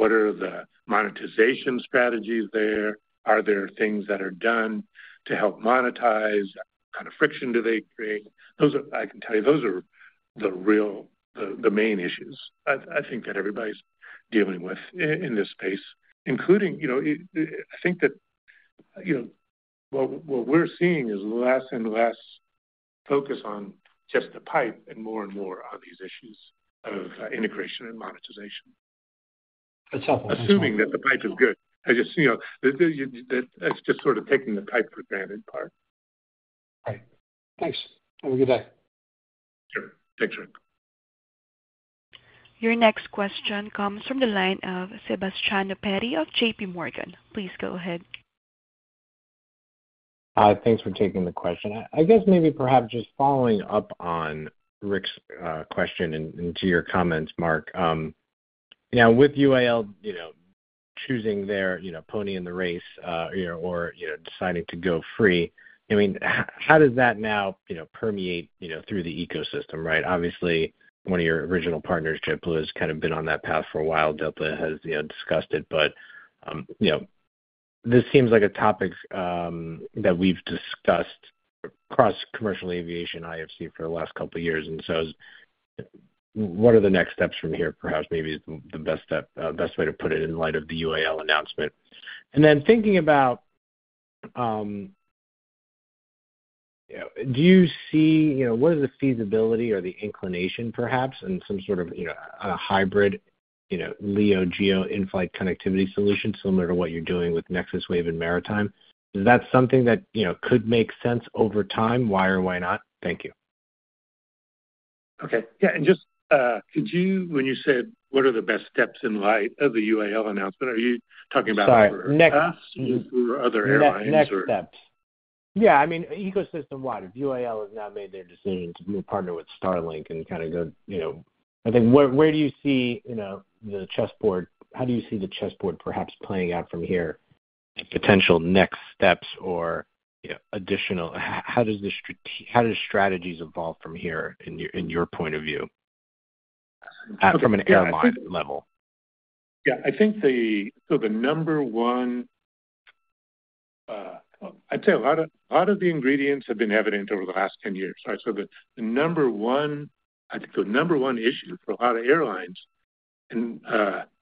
What are the monetization strategies there? Are there things that are done to help monetize? What kind of friction do they create? I can tell you those are the main issues I think that everybody's dealing with in this space, including. I think that what we're seeing is less and less focus on just the pipe and more and more on these issues of integration and monetization. That's helpful. Assuming that the pipe is good. That's just sort of taking the pipe for granted part. Right. Thanks. Have a good day. Sure. Thanks, Ric. Your next question comes from the line of Sebastiano Petti of JPMorgan. Please go ahead. Hi. Thanks for taking the question. I guess maybe perhaps just following up on Ric's question and to your comments, Mark. Now, with UAL choosing their pony in the race or deciding to go free, I mean, how does that now permeate through the ecosystem, right? Obviously, one of your original partners, JetBlue, has kind of been on that path for a while. Delta has discussed it. But this seems like a topic that we've discussed across commercial aviation IFC for the last couple of years. And so what are the next steps from here? Perhaps maybe the best way to put it in light of the UAL announcement. And then thinking about, do you see what is the feasibility or the inclination, perhaps, in some sort of a hybrid LEO/GEO in-flight connectivity solution similar to what you're doing with NexusWave and Maritime? Is that something that could make sense over time? Why or why not? Thank you. Okay. Yeah. And just when you said, "What are the best steps in light of the UAL announcement?" Are you talking about us or other airlines? Next steps. Yeah. I mean, ecosystem-wide, if UAL has now made their decision to partner with Starlink and kind of go, I think, where do you see the chessboard? How do you see the chessboard perhaps playing out from here? Potential next steps or additional how do strategies evolve from here in your point of view from an airline level? Yeah. I think so the number one I'd say a lot of the ingredients have been evident over the last 10 years. Right? So the number one I think the number one issue for a lot of airlines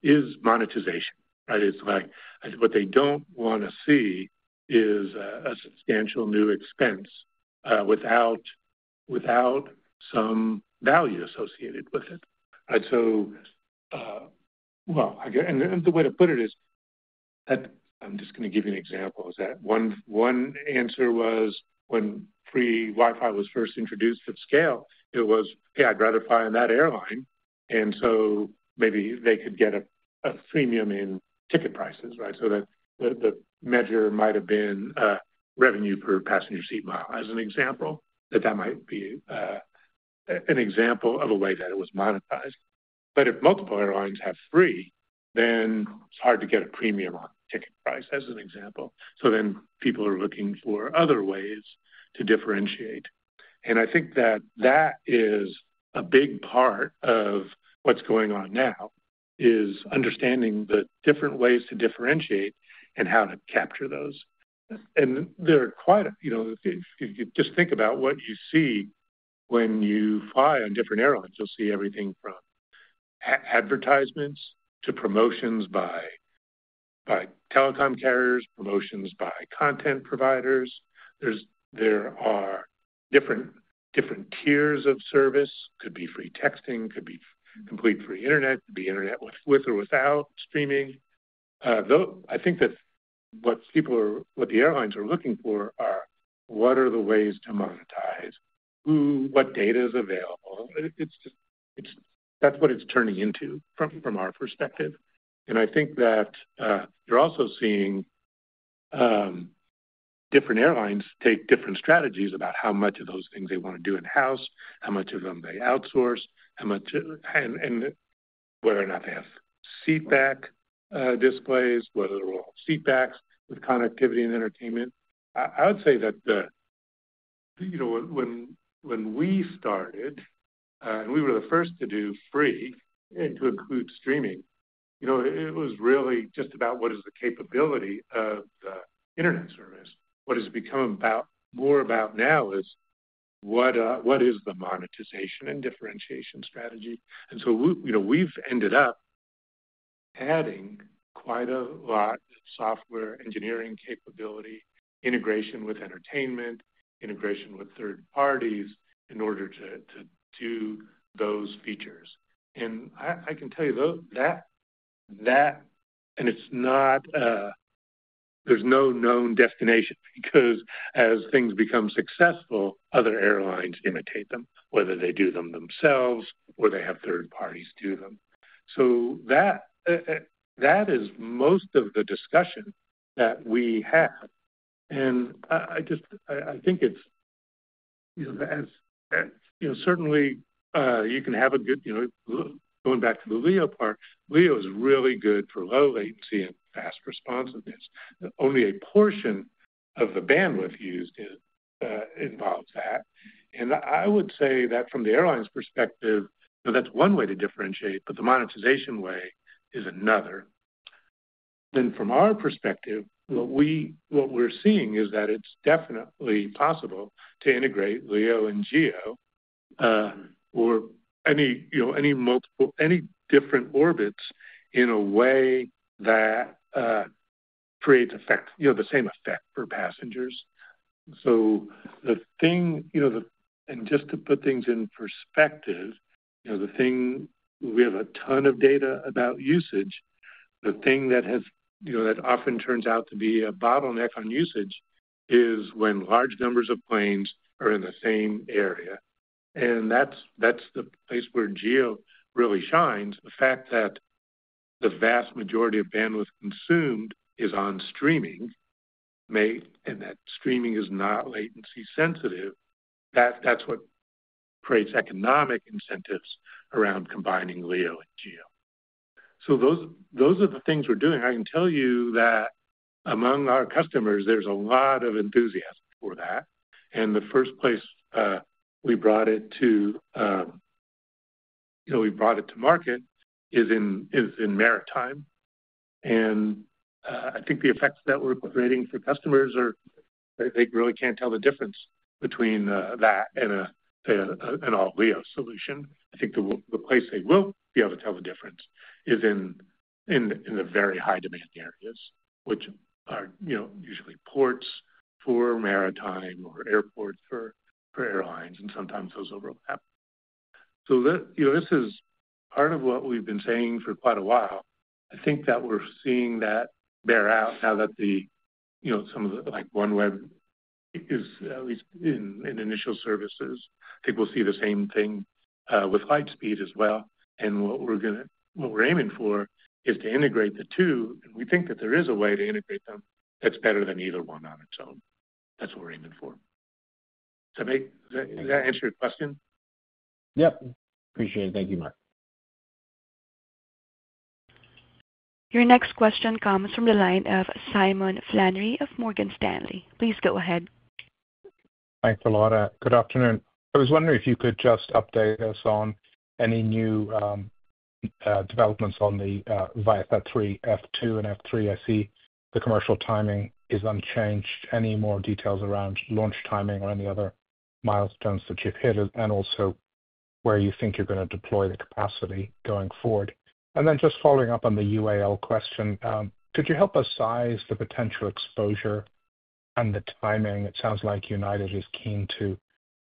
is monetization, right? It's like what they don't want to see is a substantial new expense without some value associated with it. Right? So, well, and the way to put it is that I'm just going to give you an example is that one answer was when free Wi-Fi was first introduced at scale, it was, "Hey, I'd rather fly on that airline." And so maybe they could get a premium in ticket prices, right? The measure might have been revenue per passenger seat mile, as an example, that might be an example of a way that it was monetized. But if multiple airlines have free, then it's hard to get a premium on ticket price, as an example. People are looking for other ways to differentiate. I think that is a big part of what's going on now: understanding the different ways to differentiate and how to capture those. There are quite a few. If you just think about what you see when you fly on different airlines, you'll see everything from advertisements to promotions by telecom carriers, promotions by content providers. There are different tiers of service: could be free texting, could be complete free internet, could be internet with or without streaming. I think that what the airlines are looking for are what are the ways to monetize, what data is available. That's what it's turning into from our perspective. And I think that you're also seeing different airlines take different strategies about how much of those things they want to do in-house, how much of them they outsource, and whether or not they have seatback displays, whether they're all seatbacks with connectivity and entertainment. I would say that when we started, and we were the first to do free and to include streaming, it was really just about what is the capability of the internet service. What has become more about now is what is the monetization and differentiation strategy? And so we've ended up adding quite a lot of software engineering capability, integration with entertainment, integration with third parties in order to do those features. I can tell you that, and it's not. There's no known destination because as things become successful, other airlines imitate them, whether they do them themselves or they have third parties do them. That is most of the discussion that we have. I think it's certainly. You can have a good, going back to the LEO part. LEO is really good for low latency and fast responsiveness. Only a portion of the bandwidth used involves that. I would say that from the airline's perspective, that's one way to differentiate, but the monetization way is another. From our perspective, what we're seeing is that it's definitely possible to integrate LEO and GEO or any different orbits in a way that creates the same effect for passengers. Just to put things in perspective, the thing we have a ton of data about usage. The thing that often turns out to be a bottleneck on usage is when large numbers of planes are in the same area. And that's the place where GEO really shines. The fact that the vast majority of bandwidth consumed is on streaming and that streaming is not latency sensitive, that's what creates economic incentives around combining LEO and GEO. So those are the things we're doing. I can tell you that among our customers, there's a lot of enthusiasm for that. And the first place we brought it to market is in maritime. And I think the effects that we're creating for customers are they really can't tell the difference between that and an all-LEO solution. I think the place they will be able to tell the difference is in the very high-demand areas, which are usually ports for maritime or airports for airlines, and sometimes those overlap. So this is part of what we've been saying for quite a while. I think that we're seeing that bear out now that some of the OneWeb is at least in initial services. I think we'll see the same thing with Lightspeed as well. And what we're aiming for is to integrate the two. And we think that there is a way to integrate them that's better than either one on its own. That's what we're aiming for. Does that answer your question? Yep. Appreciate it. Thank you, Mark. Your next question comes from the line of Simon Flannery of Morgan Stanley. Please go ahead. Thanks a lot. Good afternoon. I was wondering if you could just update us on any new developments on the ViaSat-3 F2 and F3. I see the commercial timing is unchanged. Any more details around launch timing or any other milestones that you've hit and also where you think you're going to deploy the capacity going forward? And then just following up on the UAL question, could you help us size the potential exposure and the timing? It sounds like United is keen to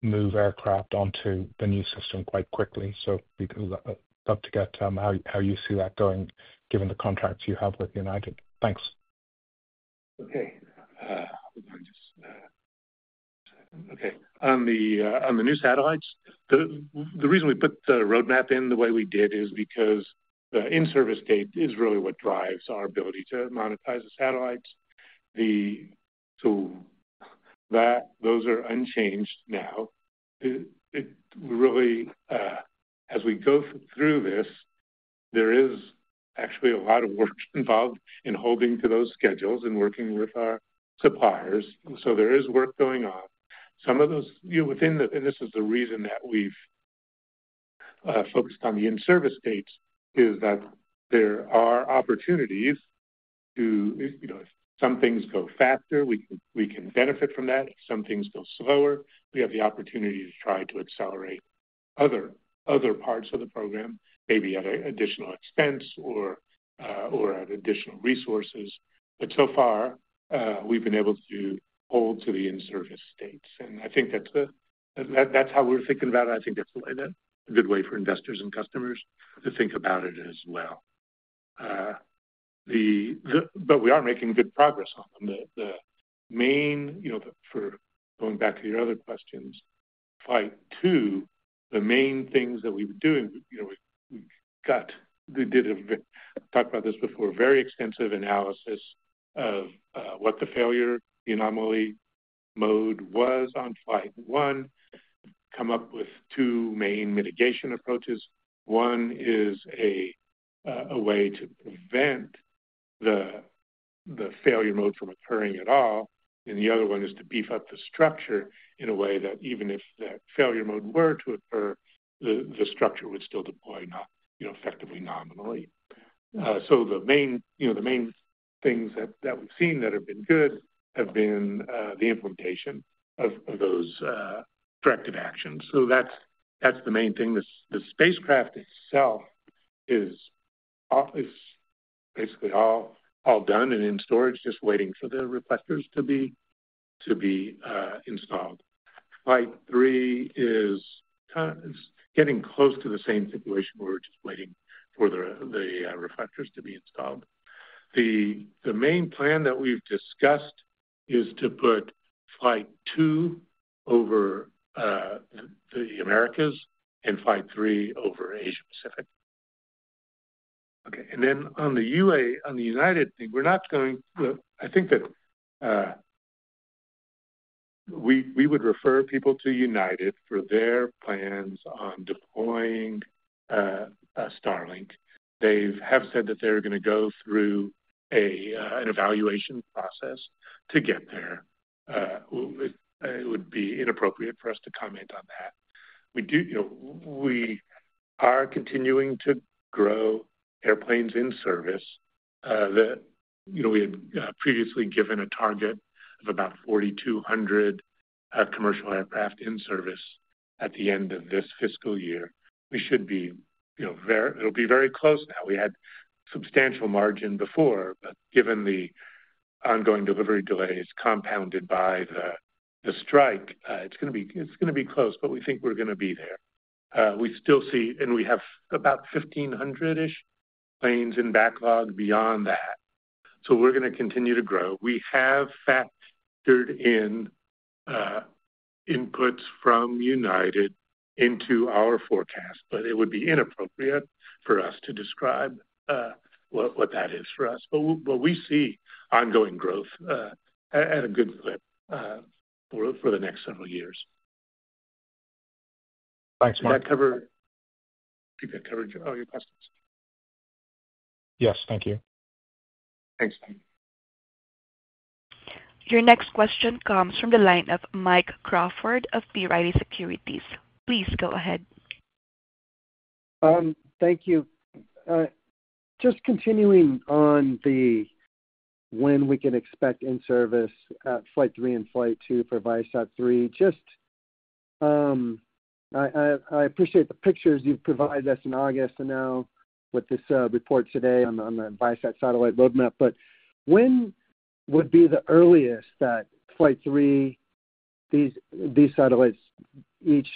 move aircraft onto the new system quite quickly. So we'd love to get how you see that going given the contracts you have with United. Thanks. Okay. Okay. On the new satellites, the reason we put the roadmap in the way we did is because the in-service date is really what drives our ability to monetize the satellites. So those are unchanged now. Really, as we go through this, there is actually a lot of work involved in holding to those schedules and working with our suppliers. So there is work going on. Some of those within them, and this is the reason that we've focused on the in-service dates, is that there are opportunities to, if some things go faster, we can benefit from that. If some things go slower, we have the opportunity to try to accelerate other parts of the program, maybe at an additional expense or additional resources, but so far, we've been able to hold to the in-service dates, and I think that's how we're thinking about it. I think that's a good way for investors and customers to think about it as well, but we are making good progress on them. The main for going back to your other questions, Flight 2, the main things that we were doing, we did talk about this before, very extensive analysis of what the failure anomaly mode was on Flight 1, come up with two main mitigation approaches. One is a way to prevent the failure mode from occurring at all. And the other one is to beef up the structure in a way that even if that failure mode were to occur, the structure would still deploy effectively nominally. So the main things that we've seen that have been good have been the implementation of those corrective actions. So that's the main thing. The spacecraft itself is basically all done and in storage, just waiting for the reflectors to be installed. Flight 3 is getting close to the same situation where we're just waiting for the reflectors to be installed. The main plan that we've discussed is to put Flight 2 over the Americas and Flight 3 over Asia-Pacific. Okay. And then on the United thing, we're not going to, I think, refer people to United for their plans on deploying Starlink. They have said that they're going to go through an evaluation process to get there. It would be inappropriate for us to comment on that. We are continuing to grow airplanes in service. We had previously given a target of about 4,200 commercial aircraft in service at the end of this fiscal year. It'll be very close now. We had substantial margin before, but given the ongoing delivery delays compounded by the strike, it's going to be close, but we think we're going to be there. We still see, and we have about 1,500-ish planes in backlog beyond that. So we're going to continue to grow. We have factored in inputs from United into our forecast, but it would be inappropriate for us to describe what that is for us. But we see ongoing growth at a good clip for the next several years. Thanks, Mark. Did that cover all your questions? Yes. Thank you. Thanks, Mark. Your next question comes from the line of Mike Crawford of B. Riley Securities. Please go ahead. Thank you. Just continuing on the when we can expect in-service Flight 3 and Flight 2 for ViaSat-3, just I appreciate the pictures you've provided us in August and now with this report today on the ViaSat satellite roadmap, but when would be the earliest that Flight 3, these satellites each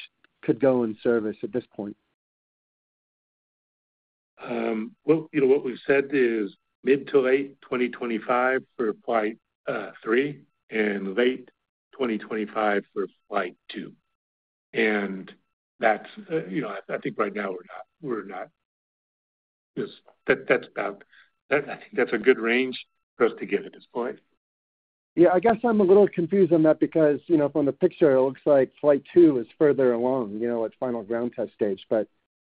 could go in service at this point? What we've said is mid to late 2025 for Flight 3 and late 2025 for Flight 2. And I think right now we're not. That's about. I think that's a good range for us to get at this point. Yeah. I guess I'm a little confused on that because from the picture, it looks like Flight 2 is further along at final ground test stage, but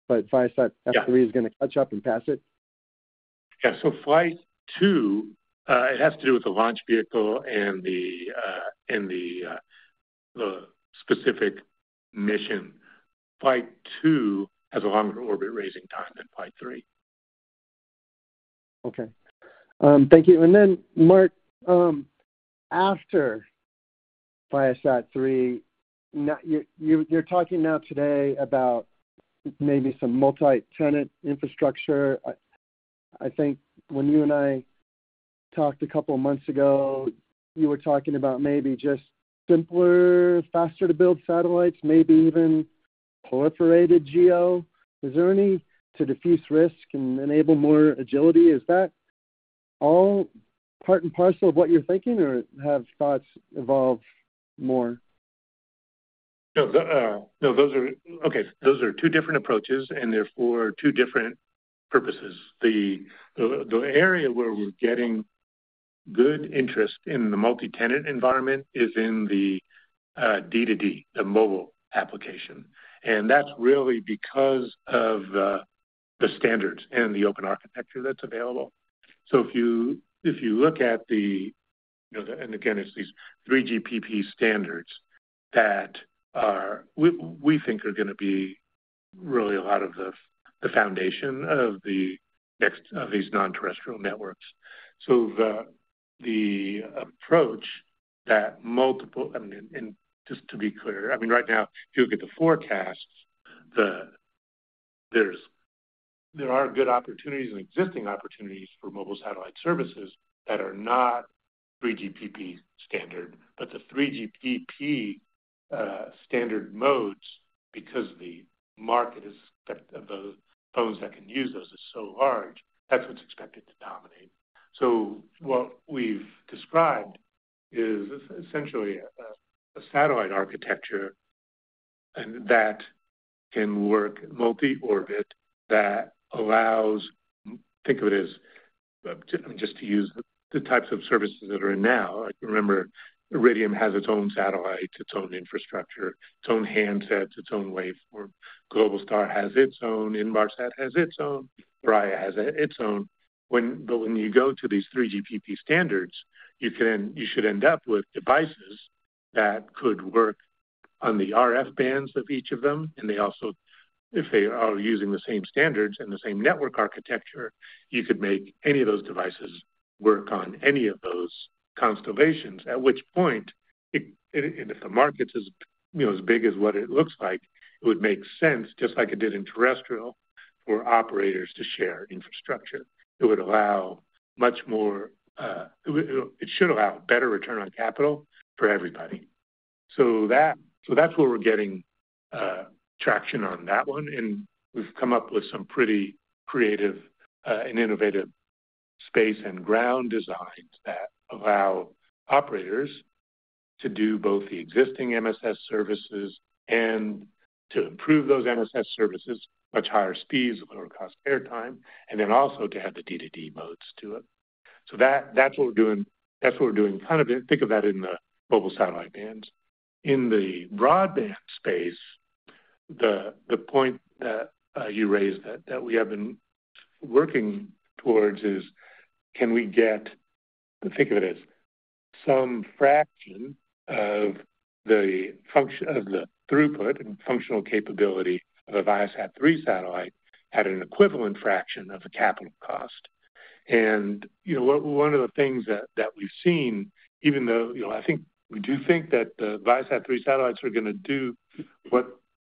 ViaSat-3 is going to catch up and pass it? Yeah. So Flight 2, it has to do with the launch vehicle and the specific mission. Flight 2 has a longer orbit-raising time than Flight 3. Okay. Thank you. And then, Mark, after ViaSat-3, you're talking now today about maybe some multi-tenant infrastructure. I think when you and I talked a couple of months ago, you were talking about maybe just simpler, faster-to-build satellites, maybe even proliferated GEO. Is there any to diffuse risk and enable more agility? Is that all part and parcel of what you're thinking, or have thoughts evolve more? No. Okay. Those are two different approaches, and therefore two different purposes. The area where we're getting good interest in the multi-tenant environment is in the D2D, the mobile application. And that's really because of the standards and the open architecture that's available. So if you look at the and again, it's these 3GPP standards that we think are going to be really a lot of the foundation of these non-terrestrial networks. So the approach that multiple and just to be clear, I mean, right now, if you look at the forecasts, there are good opportunities and existing opportunities for mobile satellite services that are not 3GPP standard, but the 3GPP standard modes, because the market of those phones that can use those is so large, that's what's expected to dominate. So what we've described is essentially a satellite architecture that can work multi-orbit that allows think of it as just to use the types of services that are in now. Remember, Iridium has its own satellites, its own infrastructure, its own handsets, its own waveform. Globalstar has its own. Inmarsat has its own. Thuraya has its own. But when you go to these 3GPP standards, you should end up with devices that could work on the RF bands of each of them. And they also, if they are using the same standards and the same network architecture, you could make any of those devices work on any of those constellations, at which point, if the market is as big as what it looks like, it would make sense, just like it did in terrestrial, for operators to share infrastructure. It would allow much more. It should allow better return on capital for everybody. So that's where we're getting traction on that one. And we've come up with some pretty creative and innovative space and ground designs that allow operators to do both the existing MSS services and to improve those MSS services, much higher speeds, lower cost airtime, and then also to have the D2D modes to it. So that's what we're doing. That's what we're doing. Kind of think of that in the mobile satellite bands. In the broadband space, the point that you raised that we have been working towards is, can we get think of it as some fraction of the throughput and functional capability of a ViaSat-3 satellite at an equivalent fraction of the capital cost? And one of the things that we've seen, even though I think we do think that the ViaSat-3 satellites are going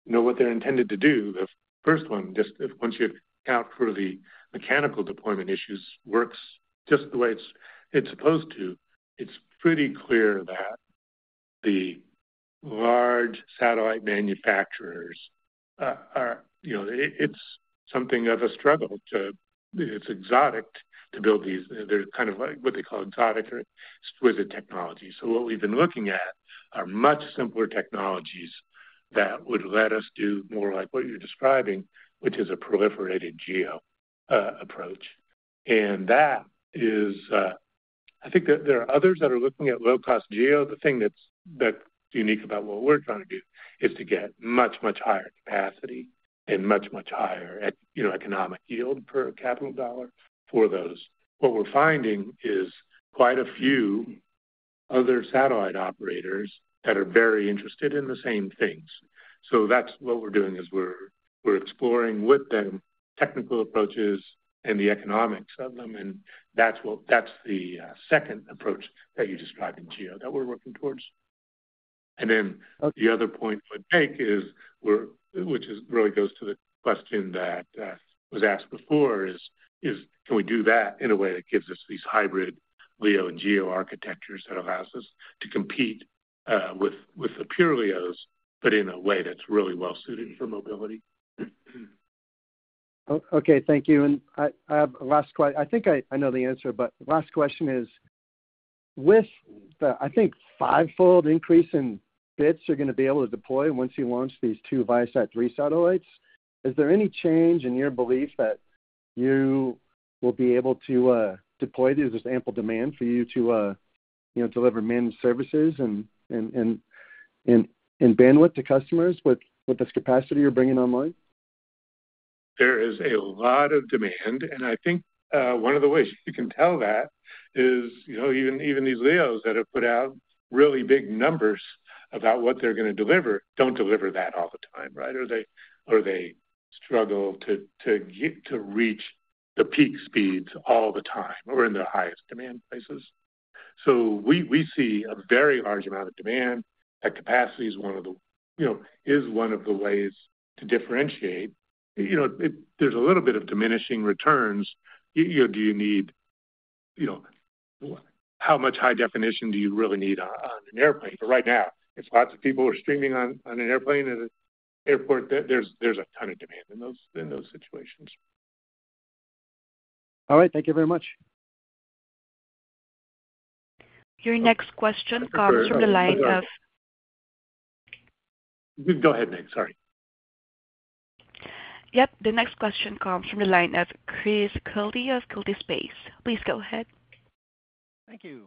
to do what they're intended to do, the first one, just once you account for the mechanical deployment issues, works just the way it's supposed to, it's pretty clear that the large satellite manufacturers are it's something of a struggle to it's exotic to build these. They're kind of what they call exotic or exquisite technologies. So what we've been looking at are much simpler technologies that would let us do more like what you're describing, which is a proliferated GEO approach. And that is, I think, that there are others that are looking at low-cost GEO. The thing that's unique about what we're trying to do is to get much, much higher capacity and much, much higher economic yield per capital dollar for those. What we're finding is quite a few other satellite operators that are very interested in the same things. So that's what we're doing is we're exploring with them technical approaches and the economics of them. And that's the second approach that you described in GEO that we're working towards. And then the other point I would make is, which really goes to the question that was asked before, is can we do that in a way that gives us these hybrid LEO and GEO architectures that allows us to compete with the pure LEOs, but in a way that's really well-suited for mobility? Okay. Thank you. I have a last question. I think I know the answer, but the last question is, with the, I think, fivefold increase in bits you're going to be able to deploy once you launch these two ViaSat-3 satellites, is there any change in your belief that you will be able to deploy? Is there ample demand for you to deliver managed services and bandwidth to customers with this capacity you're bringing online? There is a lot of demand. I think one of the ways you can tell that is even these LEOs that have put out really big numbers about what they're going to deliver don't deliver that all the time, right? Or they struggle to reach the peak speeds all the time or in the highest demand places. We see a very large amount of demand. That capacity is one of the ways to differentiate. There's a little bit of diminishing returns. Do you need how much high definition do you really need on an airplane? But right now, if lots of people are streaming on an airplane at an airport, there's a ton of demand in those situations. All right. Thank you very much. The next question comes from the line of Chris Quilty of Quilty Space. Please go ahead. Thank you.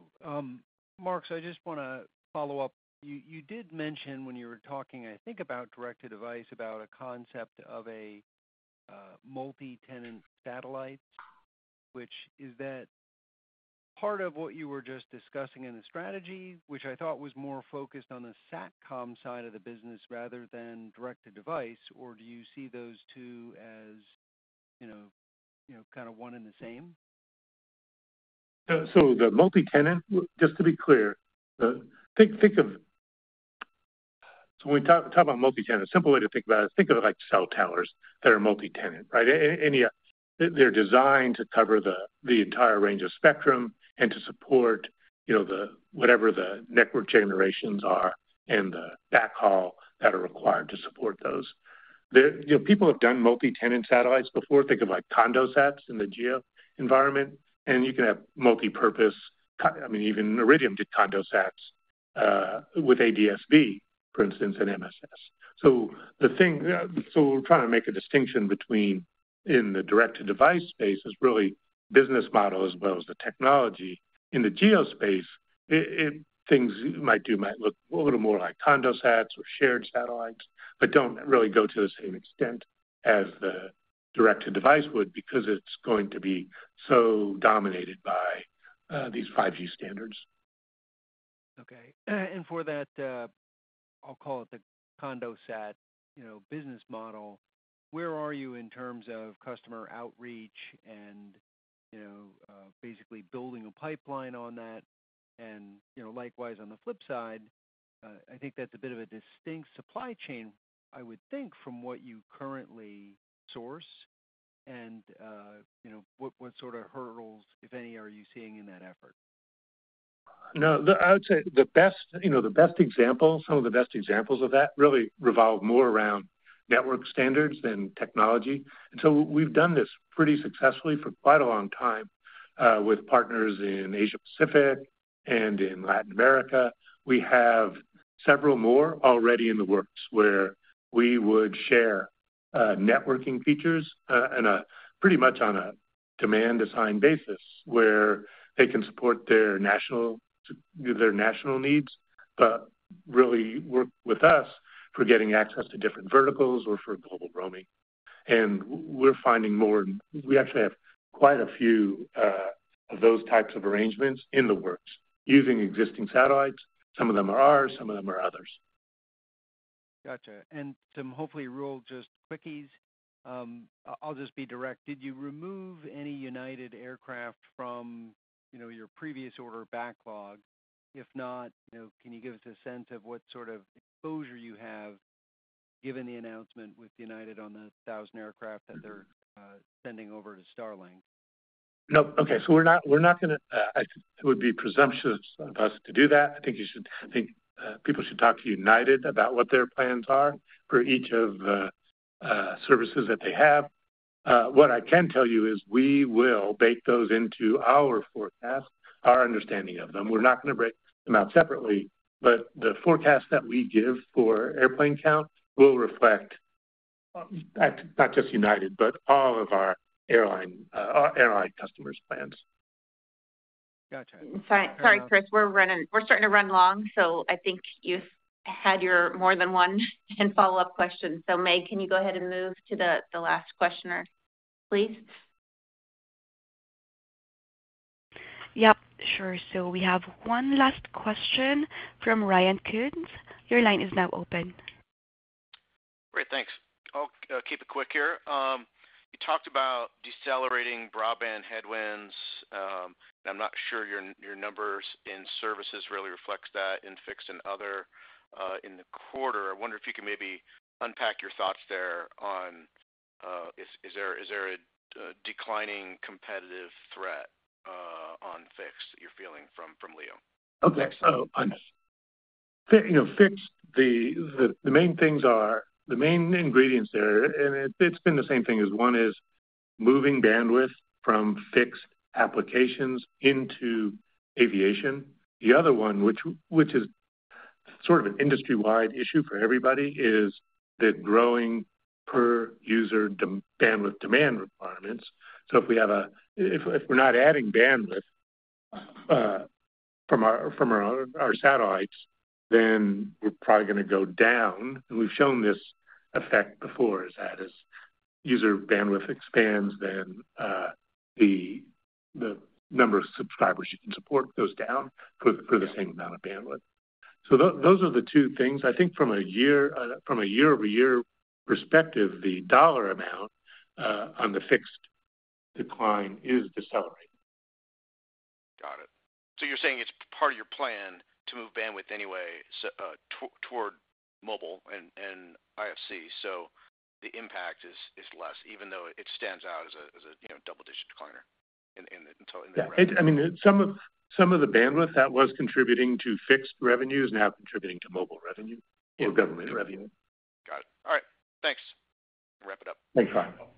Mark, I just want to follow up. You did mention when you were talking, I think, about direct-to-device, about a concept of a multi-tenant satellite, which is that part of what you were just discussing in the strategy, which I thought was more focused on the SATCOM side of the business rather than direct-to-device, or do you see those two as kind of one and the same? So the multi-tenant, just to be clear, think of so when we talk about multi-tenant, a simple way to think about it is think of it like cell towers that are multi-tenant, right? They're designed to cover the entire range of spectrum and to support whatever the network generations are and the backhaul that are required to support those. People have done multi-tenant satellites before. Think of like condosats in the GEO environment, and you can have multi-purpose. I mean, even Iridium did condosats with ADS-B, for instance, and MSS. So the thing we're trying to make a distinction between in the direct-to-device space is really business model as well as the technology. In the GEO space, things you might do might look a little more like condosats or shared satellites, but don't really go to the same extent as the direct-to-device would because it's going to be so dominated by these 5G standards. Okay. And for that, I'll call it the Condosat business model, where are you in terms of customer outreach and basically building a pipeline on that? And likewise, on the flip side, I think that's a bit of a distinct supply chain, I would think, from what you currently source. And what sort of hurdles, if any, are you seeing in that effort? No, I would say the best example, some of the best examples of that really revolve more around network standards than technology. And so we've done this pretty successfully for quite a long time with partners in Asia-Pacific and in Latin America. We have several more already in the works where we would share networking features and pretty much on a demand-assigned basis where they can support their national needs, but really work with us for getting access to different verticals or for global roaming. And we're finding more. We actually have quite a few of those types of arrangements in the works using existing satellites. Some of them are ours. Some of them are others. Gotcha. I'll just be direct. Did you remove any United aircraft from your previous order backlog? If not, can you give us a sense of what sort of exposure you have given the announcement with United on the 1,000 aircraft that they're sending over to Starlink? Nope. Okay. So we're not going to. It would be presumptuous of us to do that. I think people should talk to United about what their plans are for each of the services that they have. What I can tell you is we will bake those into our forecast, our understanding of them. We're not going to break them out separately, but the forecast that we give for airplane count will reflect not just United, but all of our airline customers' plans. Gotcha. Sorry, Chris. We're starting to run long, so I think you had your more than one follow-up question. So, Meg, can you go ahead and move to the last questioner, please? Yep. Sure. So we have one last question from Ryan Koontz. Your line is now open. Great. Thanks. I'll keep it quick here. You talked about decelerating broadband headwinds. I'm not sure your numbers in services really reflect that in Fixed and other in the quarter. I wonder if you could maybe unpack your thoughts there on is there a declining competitive threat on Fixed that you're feeling from LEO? Okay. So Fixed, the main things are the main ingredients there. And it's been the same thing as one is moving bandwidth from fixed applications into aviation. The other one, which is sort of an industry-wide issue for everybody, is the growing per-user bandwidth demand requirements. So if we're not adding bandwidth from our satellites, then we're probably going to go down. And we've shown this effect before, is that as user bandwidth expands, then the number of subscribers you can support goes down for the same amount of bandwidth. So those are the two things. I think from a year-over-year perspective, the dollar amount on the Fixed decline is decelerating. Got it. So you're saying it's part of your plan to move bandwidth anyway toward mobile and IFC, so the impact is less, even though it stands out as a double-digit decliner in the revenue? Yeah. I mean, some of the bandwidth that was contributing to Fixed revenues now is contributing to mobile revenue or government revenue. Got it. All right. Thanks. We'll wrap it up. Thanks, Mark. Thanks, Mark.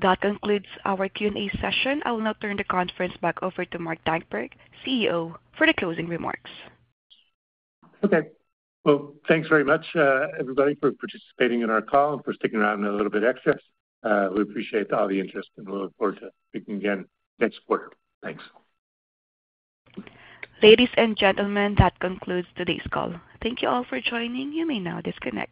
That concludes our Q&A session. I will now turn the conference back over to Mark Dankberg, CEO, for the closing remarks. Okay. Well, thanks very much, everybody, for participating in our call and for sticking around a little bit extra. We appreciate all the interest, and we look forward to speaking again next quarter. Thanks. Ladies and gentlemen, that concludes today's call. Thank you all for joining. You may now disconnect.